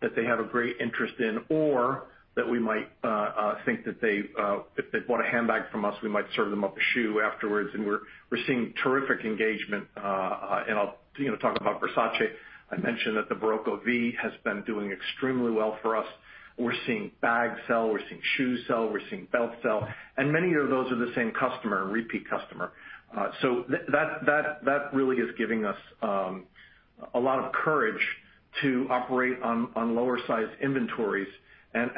that they have a great interest in, or that we might think that if they bought a handbag from us, we might serve them up a shoe afterwards. We're seeing terrific engagement. I'll talk about Versace. I mentioned that the Barocco V has been doing extremely well for us. We're seeing bags sell, we're seeing shoes sell, we're seeing belts sell. Many of those are the same customer, repeat customer. That really is giving us a lot of courage to operate on lower sized inventories.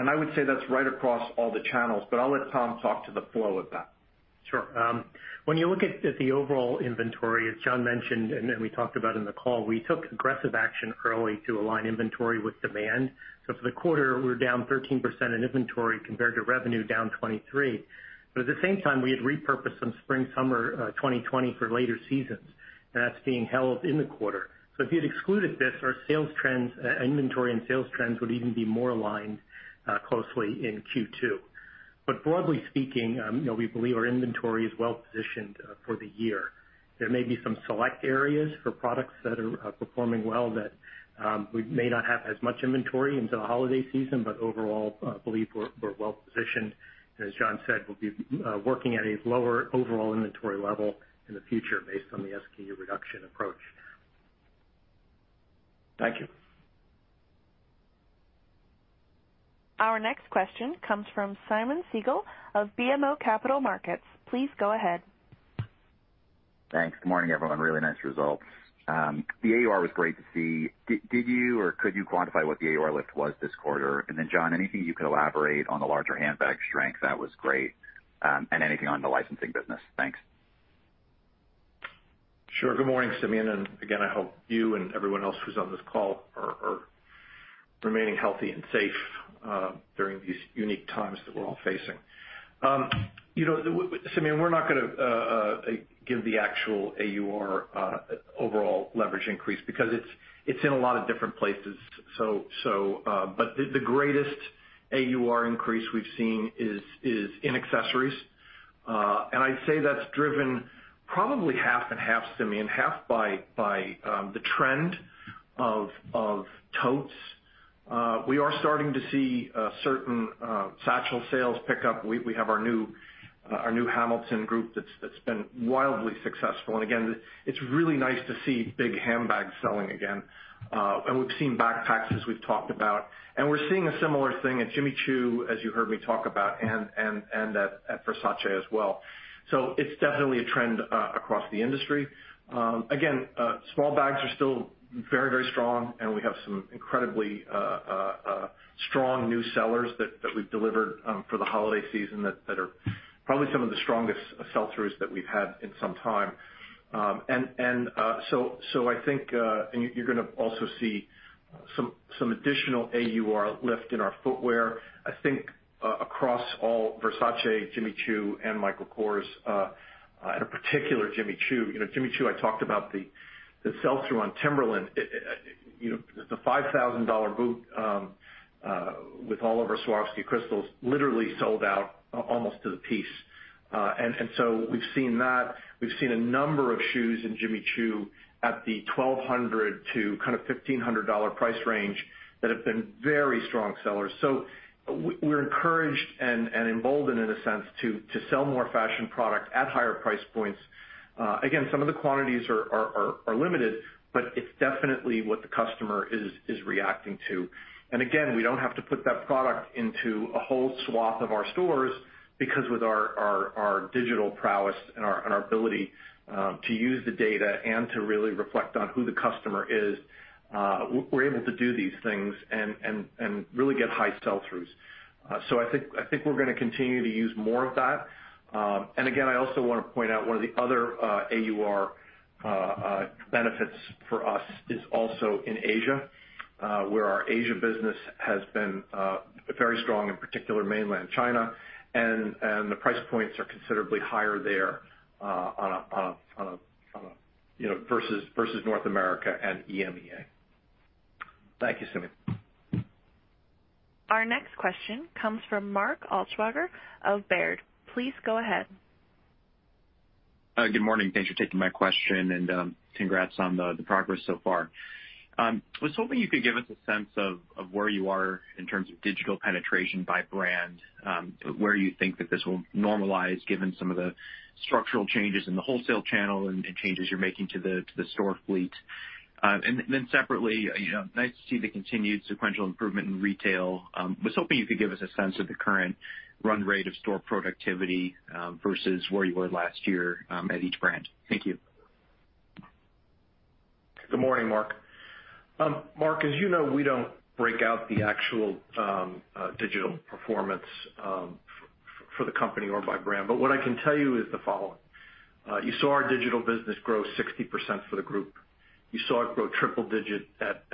I would say that's right across all the channels, but I'll let Tom talk to the flow of that. Sure. When you look at the overall inventory, as John mentioned, and we talked about in the call, we took aggressive action early to align inventory with demand. For the quarter, we were down 13% in inventory compared to revenue down 23%. At the same time, we had repurposed some spring/summer 2020 for later seasons, and that's being held in the quarter. If you'd excluded this, our inventory and sales trends would even be more aligned closely in Q2. Broadly speaking, we believe our inventory is well-positioned for the year. There may be some select areas for products that are performing well that we may not have as much inventory into the holiday season, but overall, I believe we're well positioned. As John said, we'll be working at a lower overall inventory level in the future based on the SKU reduction approach. Thank you. Our next question comes from Simeon Siegel of BMO Capital Markets. Please go ahead. Thanks. Good morning, everyone. Really nice results. The AUR was great to see. Did you or could you quantify what the AUR lift was this quarter? John, anything you could elaborate on the larger handbag strength, that was great. Anything on the licensing business. Thanks. Sure. Good morning, Simeon, and again, I hope you and everyone else who's on this call are remaining healthy and safe during these unique times that we're all facing. Simeon, we're not going to give the actual AUR overall leverage increase because it's in a lot of different places. The greatest AUR increase we've seen is in accessories. I'd say that's driven probably half and half, Simeon, half by the trend of totes. We are starting to see certain satchel sales pick up. We have our new Hamilton group that's been wildly successful. Again, it's really nice to see big handbags selling again. We've seen backpacks, as we've talked about, and we're seeing a similar thing at Jimmy Choo, as you heard me talk about, and at Versace as well. It's definitely a trend across the industry. Again, small bags are still very strong and we have some incredibly strong new sellers that we've delivered for the holiday season that are probably some of the strongest sell-throughs that we've had in some time. You're going to also see some additional AUR lift in our footwear. I think across all Versace, Jimmy Choo, and Michael Kors, and in particular Jimmy Choo. Jimmy Choo, I talked about the sell-through on Timberland. The $5,000 boot with all of our Swarovski crystals literally sold out almost to the piece. We've seen that. We've seen a number of shoes in Jimmy Choo at the $1,200-$1,500 price range that have been very strong sellers. We're encouraged and emboldened in a sense to sell more fashion product at higher price points. Again, some of the quantities are limited, but it's definitely what the customer is reacting to. Again, we don't have to put that product into a whole swath of our stores because with our digital prowess and our ability to use the data and to really reflect on who the customer is, we're able to do these things and really get high sell-throughs. I think we're going to continue to use more of that. Again, I also want to point out one of the other AUR benefits for us is also in Asia, where our Asia business has been very strong, in particular mainland China, and the price points are considerably higher there versus North America and EMEA. Thank you, Simeon. Our next question comes from Mark Altschwager of Baird. Please go ahead. Good morning. Thanks for taking my question and congrats on the progress so far. I was hoping you could give us a sense of where you are in terms of digital penetration by brand, where you think that this will normalize given some of the structural changes in the wholesale channel and changes you're making to the store fleet. Separately, nice to see the continued sequential improvement in retail. I was hoping you could give us a sense of the current run rate of store productivity versus where you were last year at each brand. Thank you. Good morning, Mark. Mark, as you know, we don't break out the actual digital performance for the company or by brand. What I can tell you is the following. You saw our digital business grow 60% for the group. You saw it grow triple digit at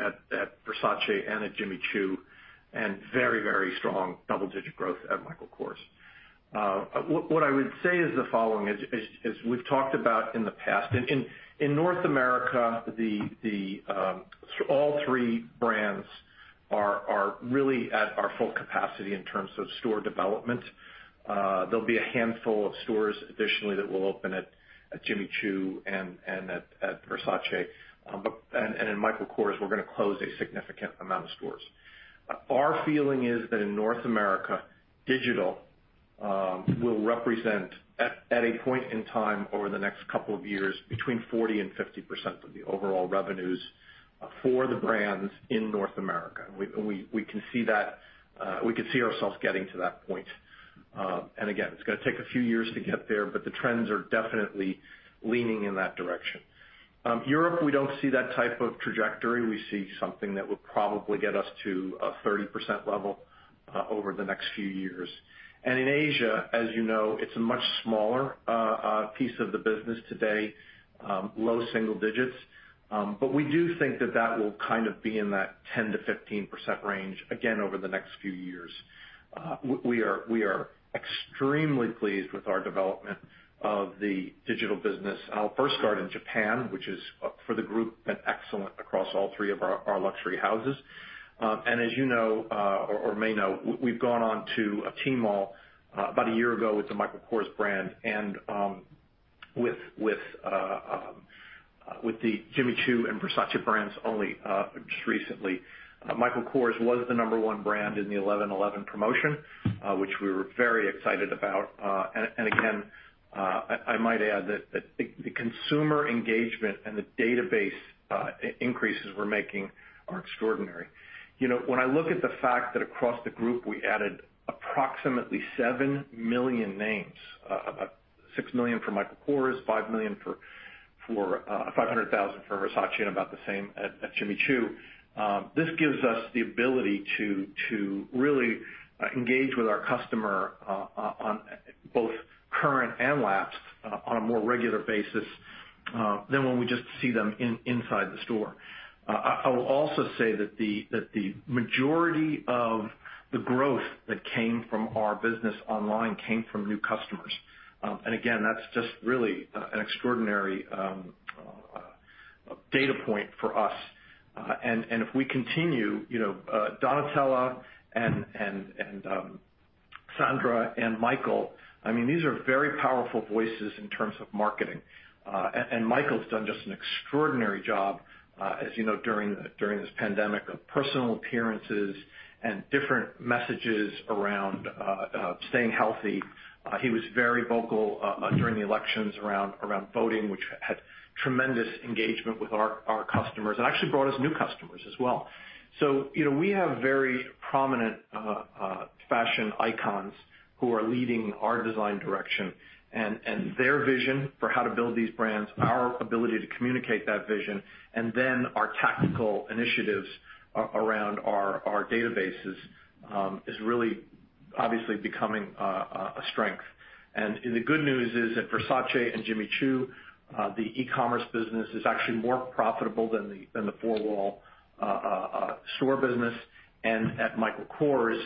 Versace and at Jimmy Choo, and very strong double-digit growth at Michael Kors. What I would say is the following, as we've talked about in the past, in North America, all three brands are really at our full capacity in terms of store development. There'll be a handful of stores additionally that will open at Jimmy Choo and at Versace. In Michael Kors, we're going to close a significant amount of stores. Our feeling is that in North America, digital will represent, at a point in time over the next couple of years, between 40%-50% of the overall revenues for the brands in North America. We could see ourselves getting to that point. Again, it's going to take a few years to get there, but the trends are definitely leaning in that direction. Europe, we don't see that type of trajectory. We see something that will probably get us to a 30% level over the next few years. In Asia, as you know, it's a much smaller piece of the business today, low single digits. We do think that that will kind of be in that 10%-15% range again over the next few years. We are extremely pleased with our development of the digital business. Our first start in Japan, which is, for the group, been excellent across all three of our luxury houses. As you know or may know, we've gone on to Tmall about a year ago with the Michael Kors brand and with the Jimmy Choo and Versace brands only just recently. Michael Kors was the number one brand in the 11.11 promotion, which we were very excited about. Again, I might add that the consumer engagement and the database increases we're making are extraordinary. When I look at the fact that across the group we added approximately 7 million names, about 6 million from Michael Kors, 500,000 for Versace, and about the same at Jimmy Choo. This gives us the ability to really engage with our customer, both current and lapsed, on a more regular basis than when we just see them inside the store. I will also say that the majority of the growth that came from our business online came from new customers. Again, that's just really an extraordinary data point for us. If we continue, Donatella and Sandra and Michael, these are very powerful voices in terms of marketing. Michael's done just an extraordinary job, as you know, during this pandemic of personal appearances and different messages around staying healthy. He was very vocal during the elections around voting, which had tremendous engagement with our customers and actually brought us new customers as well. We have very prominent fashion icons who are leading our design direction, and their vision for how to build these brands, our ability to communicate that vision, and then our tactical initiatives around our databases is really obviously becoming a strength. The good news is at Versace and Jimmy Choo, the e-commerce business is actually more profitable than the four-wall store business. At Michael Kors,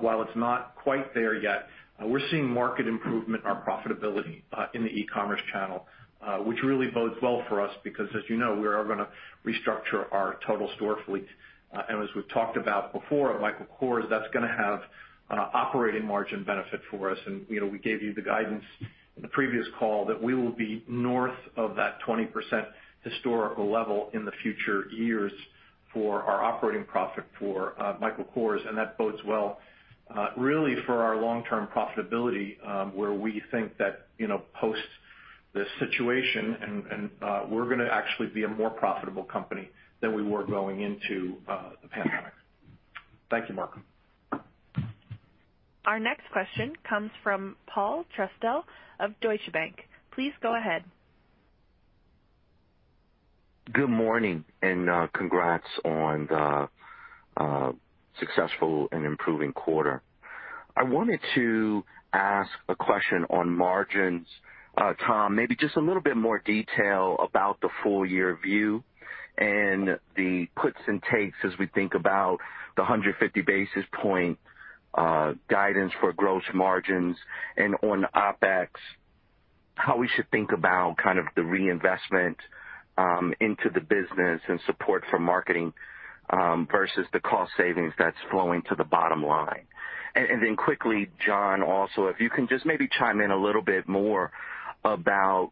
while it's not quite there yet, we're seeing market improvement, our profitability in the e-commerce channel, which really bodes well for us because, as you know, we are going to restructure our total store fleet. As we've talked about before at Michael Kors, that's going to have an operating margin benefit for us. We gave you the guidance in the previous call that we will be north of that 20% historical level in the future years for our operating profit for Michael Kors, and that bodes well really for our long-term profitability, where we think that post this situation and we're going to actually be a more profitable company than we were going into the pandemic. Thank you, Mark. Our next question comes from Paul Trussell of Deutsche Bank. Please go ahead. Good morning. Congrats on the successful and improving quarter. I wanted to ask a question on margins. Tom, maybe just a little bit more detail about the full-year view and the puts and takes as we think about the 150 basis point guidance for gross margins and on OpEx, how we should think about kind of the reinvestment into the business and support for marketing versus the cost savings that's flowing to the bottom line. Then quickly, John also, if you can just maybe chime in a little bit more about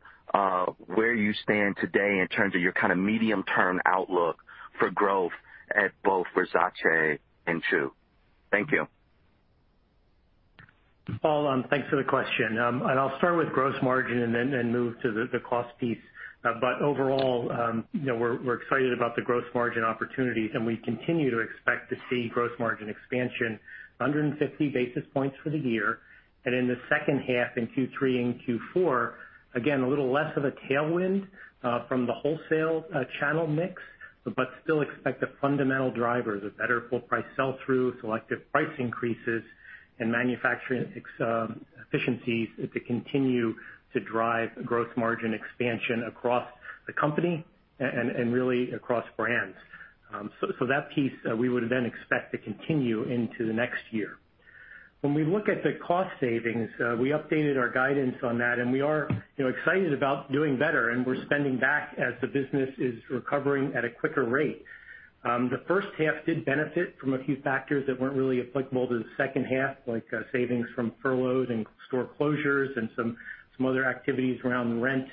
where you stand today in terms of your kind of medium-term outlook for growth at both Versace and Choo. Thank you. Paul, thanks for the question. I'll start with gross margin and then move to the cost piece. Overall, we're excited about the gross margin opportunities, and we continue to expect to see gross margin expansion 150 basis points for the year. In the second half, in Q3 and Q4, again, a little less of a tailwind from the wholesale channel mix, but still expect the fundamental drivers of better full price sell-through, selective price increases, and manufacturing efficiencies to continue to drive gross margin expansion across the company and really across brands. That piece, we would then expect to continue into the next year. When we look at the cost savings, we updated our guidance on that, and we are excited about doing better, and we're spending back as the business is recovering at a quicker rate. The first half did benefit from a few factors that weren't really applicable to the second half, like savings from furloughs and store closures and some other activities around rent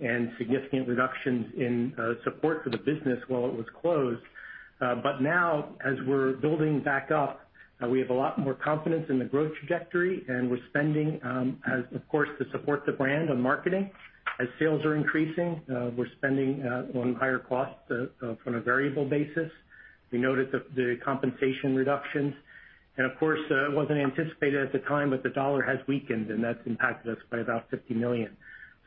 and significant reductions in support for the business while it was closed. Now, as we're building back up, we have a lot more confidence in the growth trajectory, and we're spending, of course, to support the brand on marketing. As sales are increasing, we're spending on higher costs from a variable basis. We noted the compensation reductions, and of course, it wasn't anticipated at the time, but the dollar has weakened, and that's impacted us by about $50 million.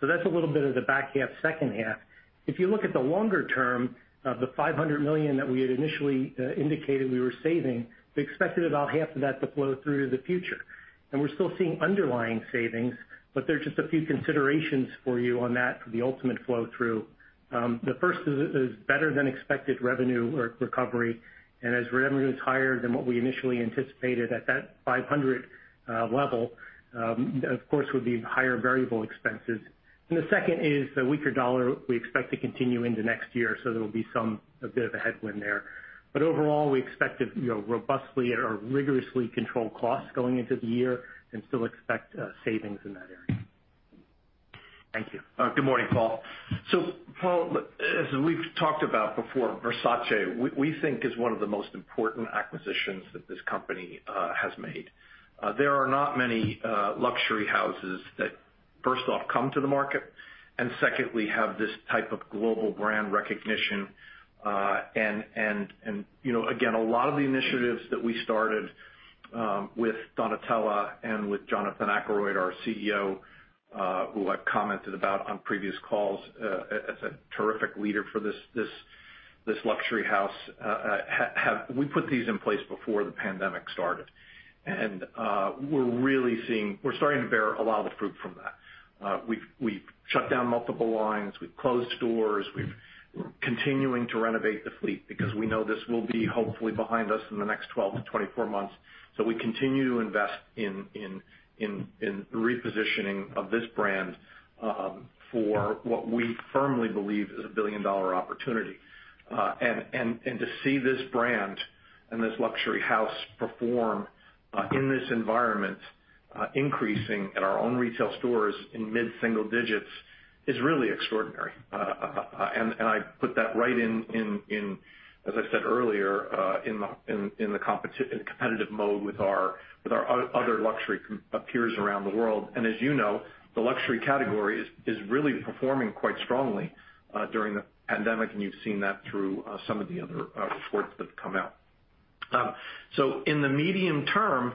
That's a little bit of the back half, second half. If you look at the longer term, the $500 million that we had initially indicated we were saving, we expected about half of that to flow through to the future. We're still seeing underlying savings, but there are just a few considerations for you on that for the ultimate flow-through. The first is better-than-expected revenue recovery. As revenue is higher than what we initially anticipated at that 500 level, of course, would be higher variable expenses. The second is the weaker dollar we expect to continue into next year, so there'll be a bit of a headwind there. Overall, we expect to robustly or rigorously control costs going into the year and still expect savings in that area. Thank you. Good morning, Paul. Paul, as we've talked about before, Versace, we think is one of the most important acquisitions that this company has made. There are not many luxury houses that first off, come to the market, and secondly, have this type of global brand recognition. Again, a lot of the initiatives that we started with Donatella and with Jonathan Akeroyd, our CEO, who I've commented about on previous calls as a terrific leader for this luxury house. We put these in place before the pandemic started. We're starting to bear a lot of the fruit from that. We've shut down multiple lines. We've closed stores. We're continuing to renovate the fleet because we know this will be hopefully behind us in the next 12-24 months. We continue to invest in repositioning of this brand for what we firmly believe is a billion-dollar opportunity. To see this brand and this luxury house perform in this environment, increasing at our own retail stores in mid-single digits is really extraordinary. I put that right in, as I said earlier, in competitive mode with our other luxury peers around the world. As you know, the luxury category is really performing quite strongly during the pandemic, and you've seen that through some of the other reports that have come out. In the medium term,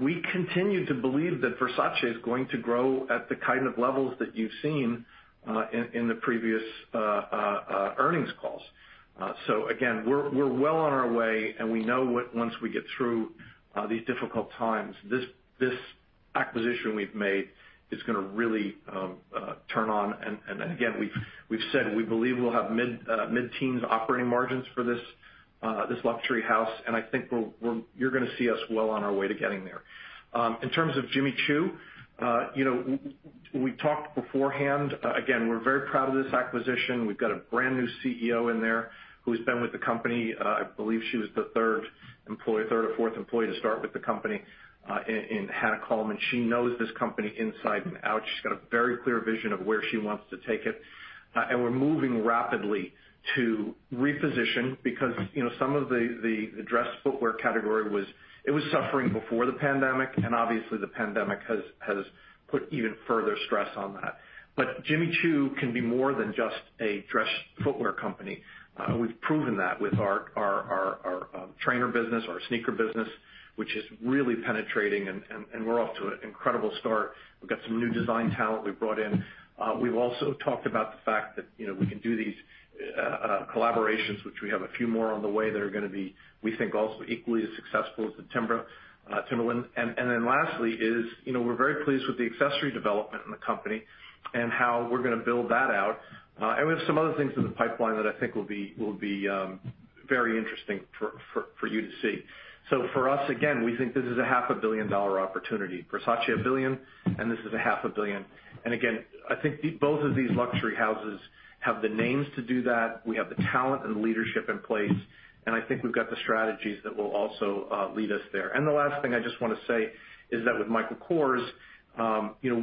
we continue to believe that Versace is going to grow at the kind of levels that you've seen in the previous earnings calls. Again, we're well on our way, and we know once we get through these difficult times, this acquisition we've made is going to really turn on. Again, we've said we believe we'll have mid-teens operating margins for this luxury house, and I think you're going to see us well on our way to getting there. In terms of Jimmy Choo, we talked beforehand. Again, we're very proud of this acquisition. We've got a brand new CEO in there who's been with the company. I believe she was the third or fourth employee to start with the company in Hannah Colman. She knows this company inside and out. She's got a very clear vision of where she wants to take it. We're moving rapidly to reposition because some of the dress footwear category was suffering before the pandemic, and obviously the pandemic has put even further stress on that. Jimmy Choo can be more than just a dress footwear company. We've proven that with our trainer business, our sneaker business, which is really penetrating, and we're off to an incredible start. We've got some new design talent we've brought in. We've also talked about the fact that we can do these collaborations, which we have a few more on the way that are going to be, we think, also equally as successful as the Timberland. Lastly is, we're very pleased with the accessory development in the company, and how we're going to build that out. We have some other things in the pipeline that I think will be very interesting for you to see. For us, again, we think this is a half a billion dollar opportunity. Versace $1 billion, and this is a half a billion dollars. Again, I think both of these luxury houses have the names to do that, we have the talent and the leadership in place, and I think we've got the strategies that will also lead us there. The last thing I just want to say is that with Michael Kors,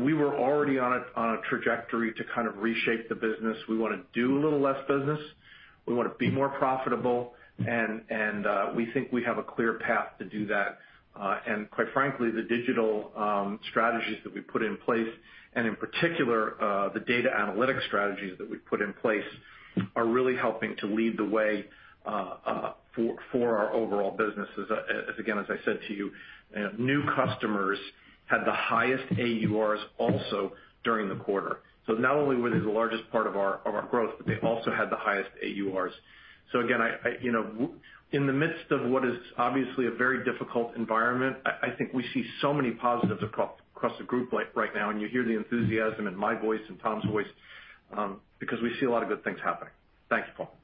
we were already on a trajectory to kind of reshape the business. We want to do a little less business. We want to be more profitable. We think we have a clear path to do that. Quite frankly, the digital strategies that we put in place, and in particular, the data analytic strategies that we put in place, are really helping to lead the way for our overall business. As again, as I said to you, new customers had the highest AURs also during the quarter. Not only were they the largest part of our growth, but they also had the highest AURs. Again, in the midst of what is obviously a very difficult environment, I think we see so many positives across the group right now, and you hear the enthusiasm in my voice and Tom's voice, because we see a lot of good things happening. Thank you, Paul.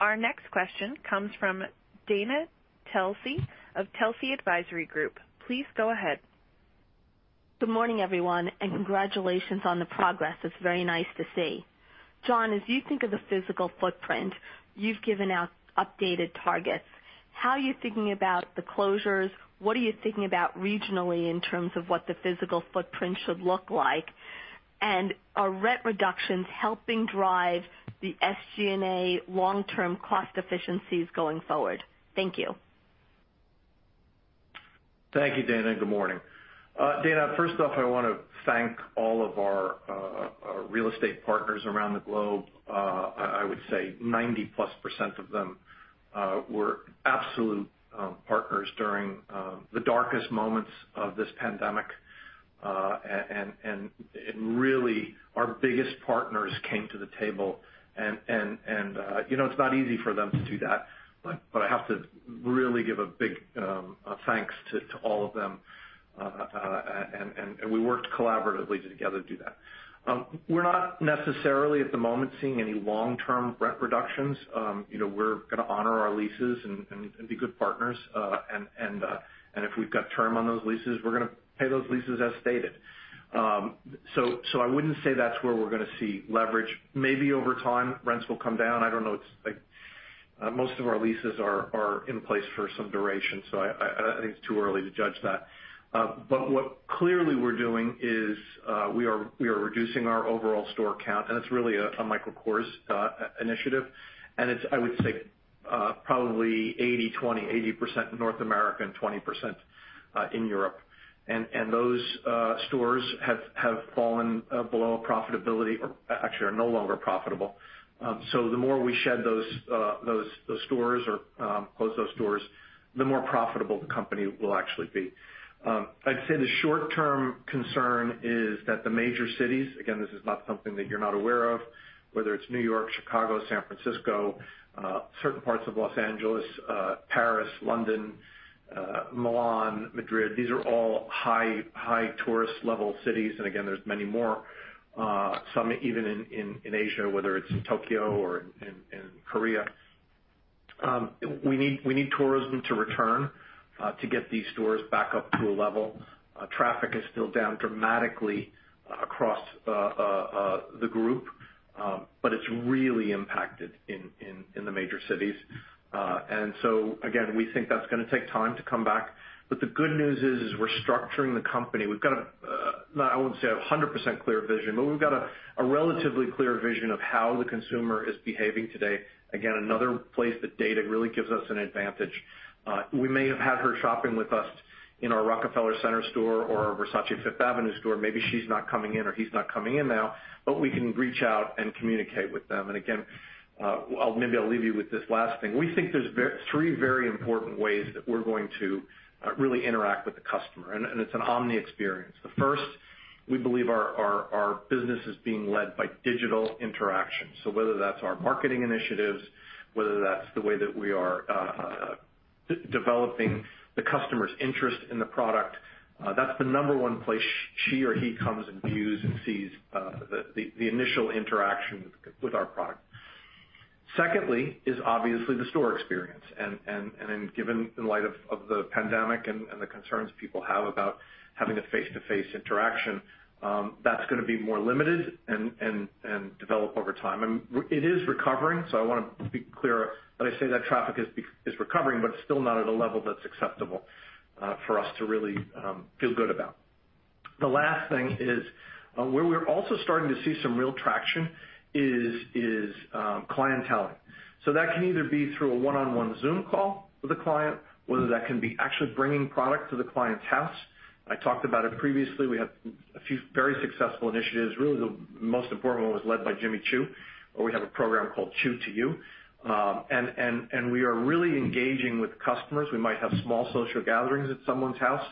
Our next question comes from Dana Telsey of Telsey Advisory Group. Please go ahead. Good morning, everyone, and congratulations on the progress. It's very nice to see. John, as you think of the physical footprint, you've given out updated targets. How are you thinking about the closures? What are you thinking about regionally in terms of what the physical footprint should look like? Are rent reductions helping drive the SG&A long-term cost efficiencies going forward? Thank you. Thank you, Dana, good morning. Dana, first off, I want to thank all of our real estate partners around the globe. I would say 90%+ of them were absolute partners during the darkest moments of this pandemic. Really, our biggest partners came to the table and it's not easy for them to do that, but I have to really give a big thanks to all of them, and we worked collaboratively together to do that. We're not necessarily at the moment seeing any long-term rent reductions. We're going to honor our leases and be good partners. If we've got term on those leases, we're going to pay those leases as stated. I wouldn't say that's where we're going to see leverage. Maybe over time rents will come down. I don't know. Most of our leases are in place for some duration, so I think it's too early to judge that. What clearly we're doing is, we are reducing our overall store count, and it's really a Michael Kors initiative, and it's, I would say, probably 80/20, 80% North America and 20% in Europe. Those stores have fallen below profitability or actually are no longer profitable. The more we shed those stores or close those stores, the more profitable the company will actually be. I'd say the short-term concern is that the major cities, again, this is not something that you're not aware of, whether it's New York, Chicago, San Francisco, certain parts of Los Angeles, Paris, London, Milan, Madrid, these are all high tourist-level cities. Again, there's many more, some even in Asia, whether it's in Tokyo or in Korea. We need tourism to return to get these stores back up to a level. Traffic is still down dramatically across the group, but it's really impacted in the major cities. Again, we think that's going to take time to come back. The good news is we're structuring the company. We've got a, I wouldn't say 100% clear vision, but we've got a relatively clear vision of how the consumer is behaving today. Again, another place that data really gives us an advantage. We may have had her shopping with us in our Rockefeller Center store or our Versace Fifth Avenue store. Maybe she's not coming in or he's not coming in now, but we can reach out and communicate with them. Again, maybe I'll leave you with this last thing. We think there's three very important ways that we're going to really interact with the customer, and it's an omni experience. The first, we believe our business is being led by digital interaction. Whether that's our marketing initiatives, whether that's the way that we are developing the customer's interest in the product, that's the number one place she or he comes and views and sees the initial interaction with our product. Secondly is obviously the store experience. Given in light of the pandemic and the concerns people have about having a face-to-face interaction, that's going to be more limited and develop over time. It is recovering, so I want to be clear. When I say that traffic is recovering, but it's still not at a level that's acceptable for us to really feel good about. The last thing is, where we're also starting to see some real traction is clienteling. That can either be through a one-on-one Zoom call with a client, whether that can be actually bringing product to the client's house. I talked about it previously. We had a few very successful initiatives. Really, the most important one was led by Jimmy Choo, where we have a program called Choo to You. We are really engaging with customers. We might have small social gatherings at someone's house.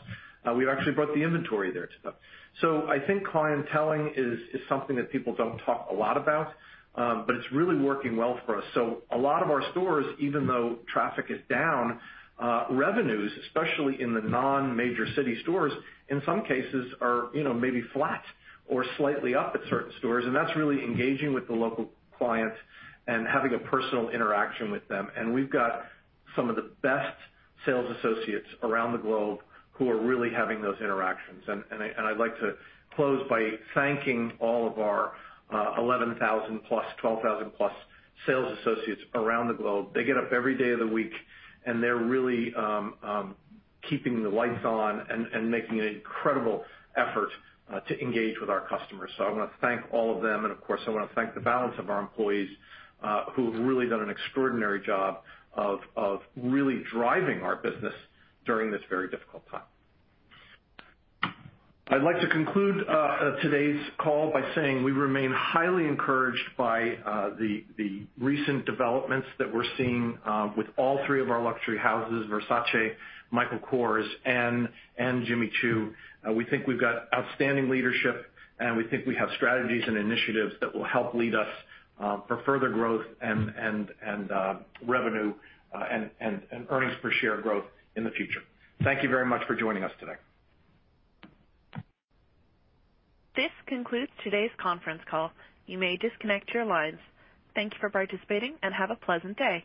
We actually brought the inventory there to them. I think clienteling is something that people don't talk a lot about, but it's really working well for us. A lot of our stores, even though traffic is down, revenues, especially in the non-major city stores, in some cases are maybe flat or slightly up at certain stores. That's really engaging with the local clients and having a personal interaction with them. We've got some of the best sales associates around the globe who are really having those interactions. I'd like to close by thanking all of our 11,000+, 12,000+ sales associates around the globe. They get up every day of the week, and they're really keeping the lights on and making an incredible effort to engage with our customers. I want to thank all of them, and of course, I want to thank the balance of our employees, who have really done an extraordinary job of really driving our business during this very difficult time. I'd like to conclude today's call by saying we remain highly encouraged by the recent developments that we're seeing with all three of our luxury houses, Versace, Michael Kors, and Jimmy Choo. We think we've got outstanding leadership, and we think we have strategies and initiatives that will help lead us for further growth and revenue and earnings per share growth in the future. Thank you very much for joining us today. This concludes today's conference call. You may disconnect your lines. Thank you for participating and have a pleasant day.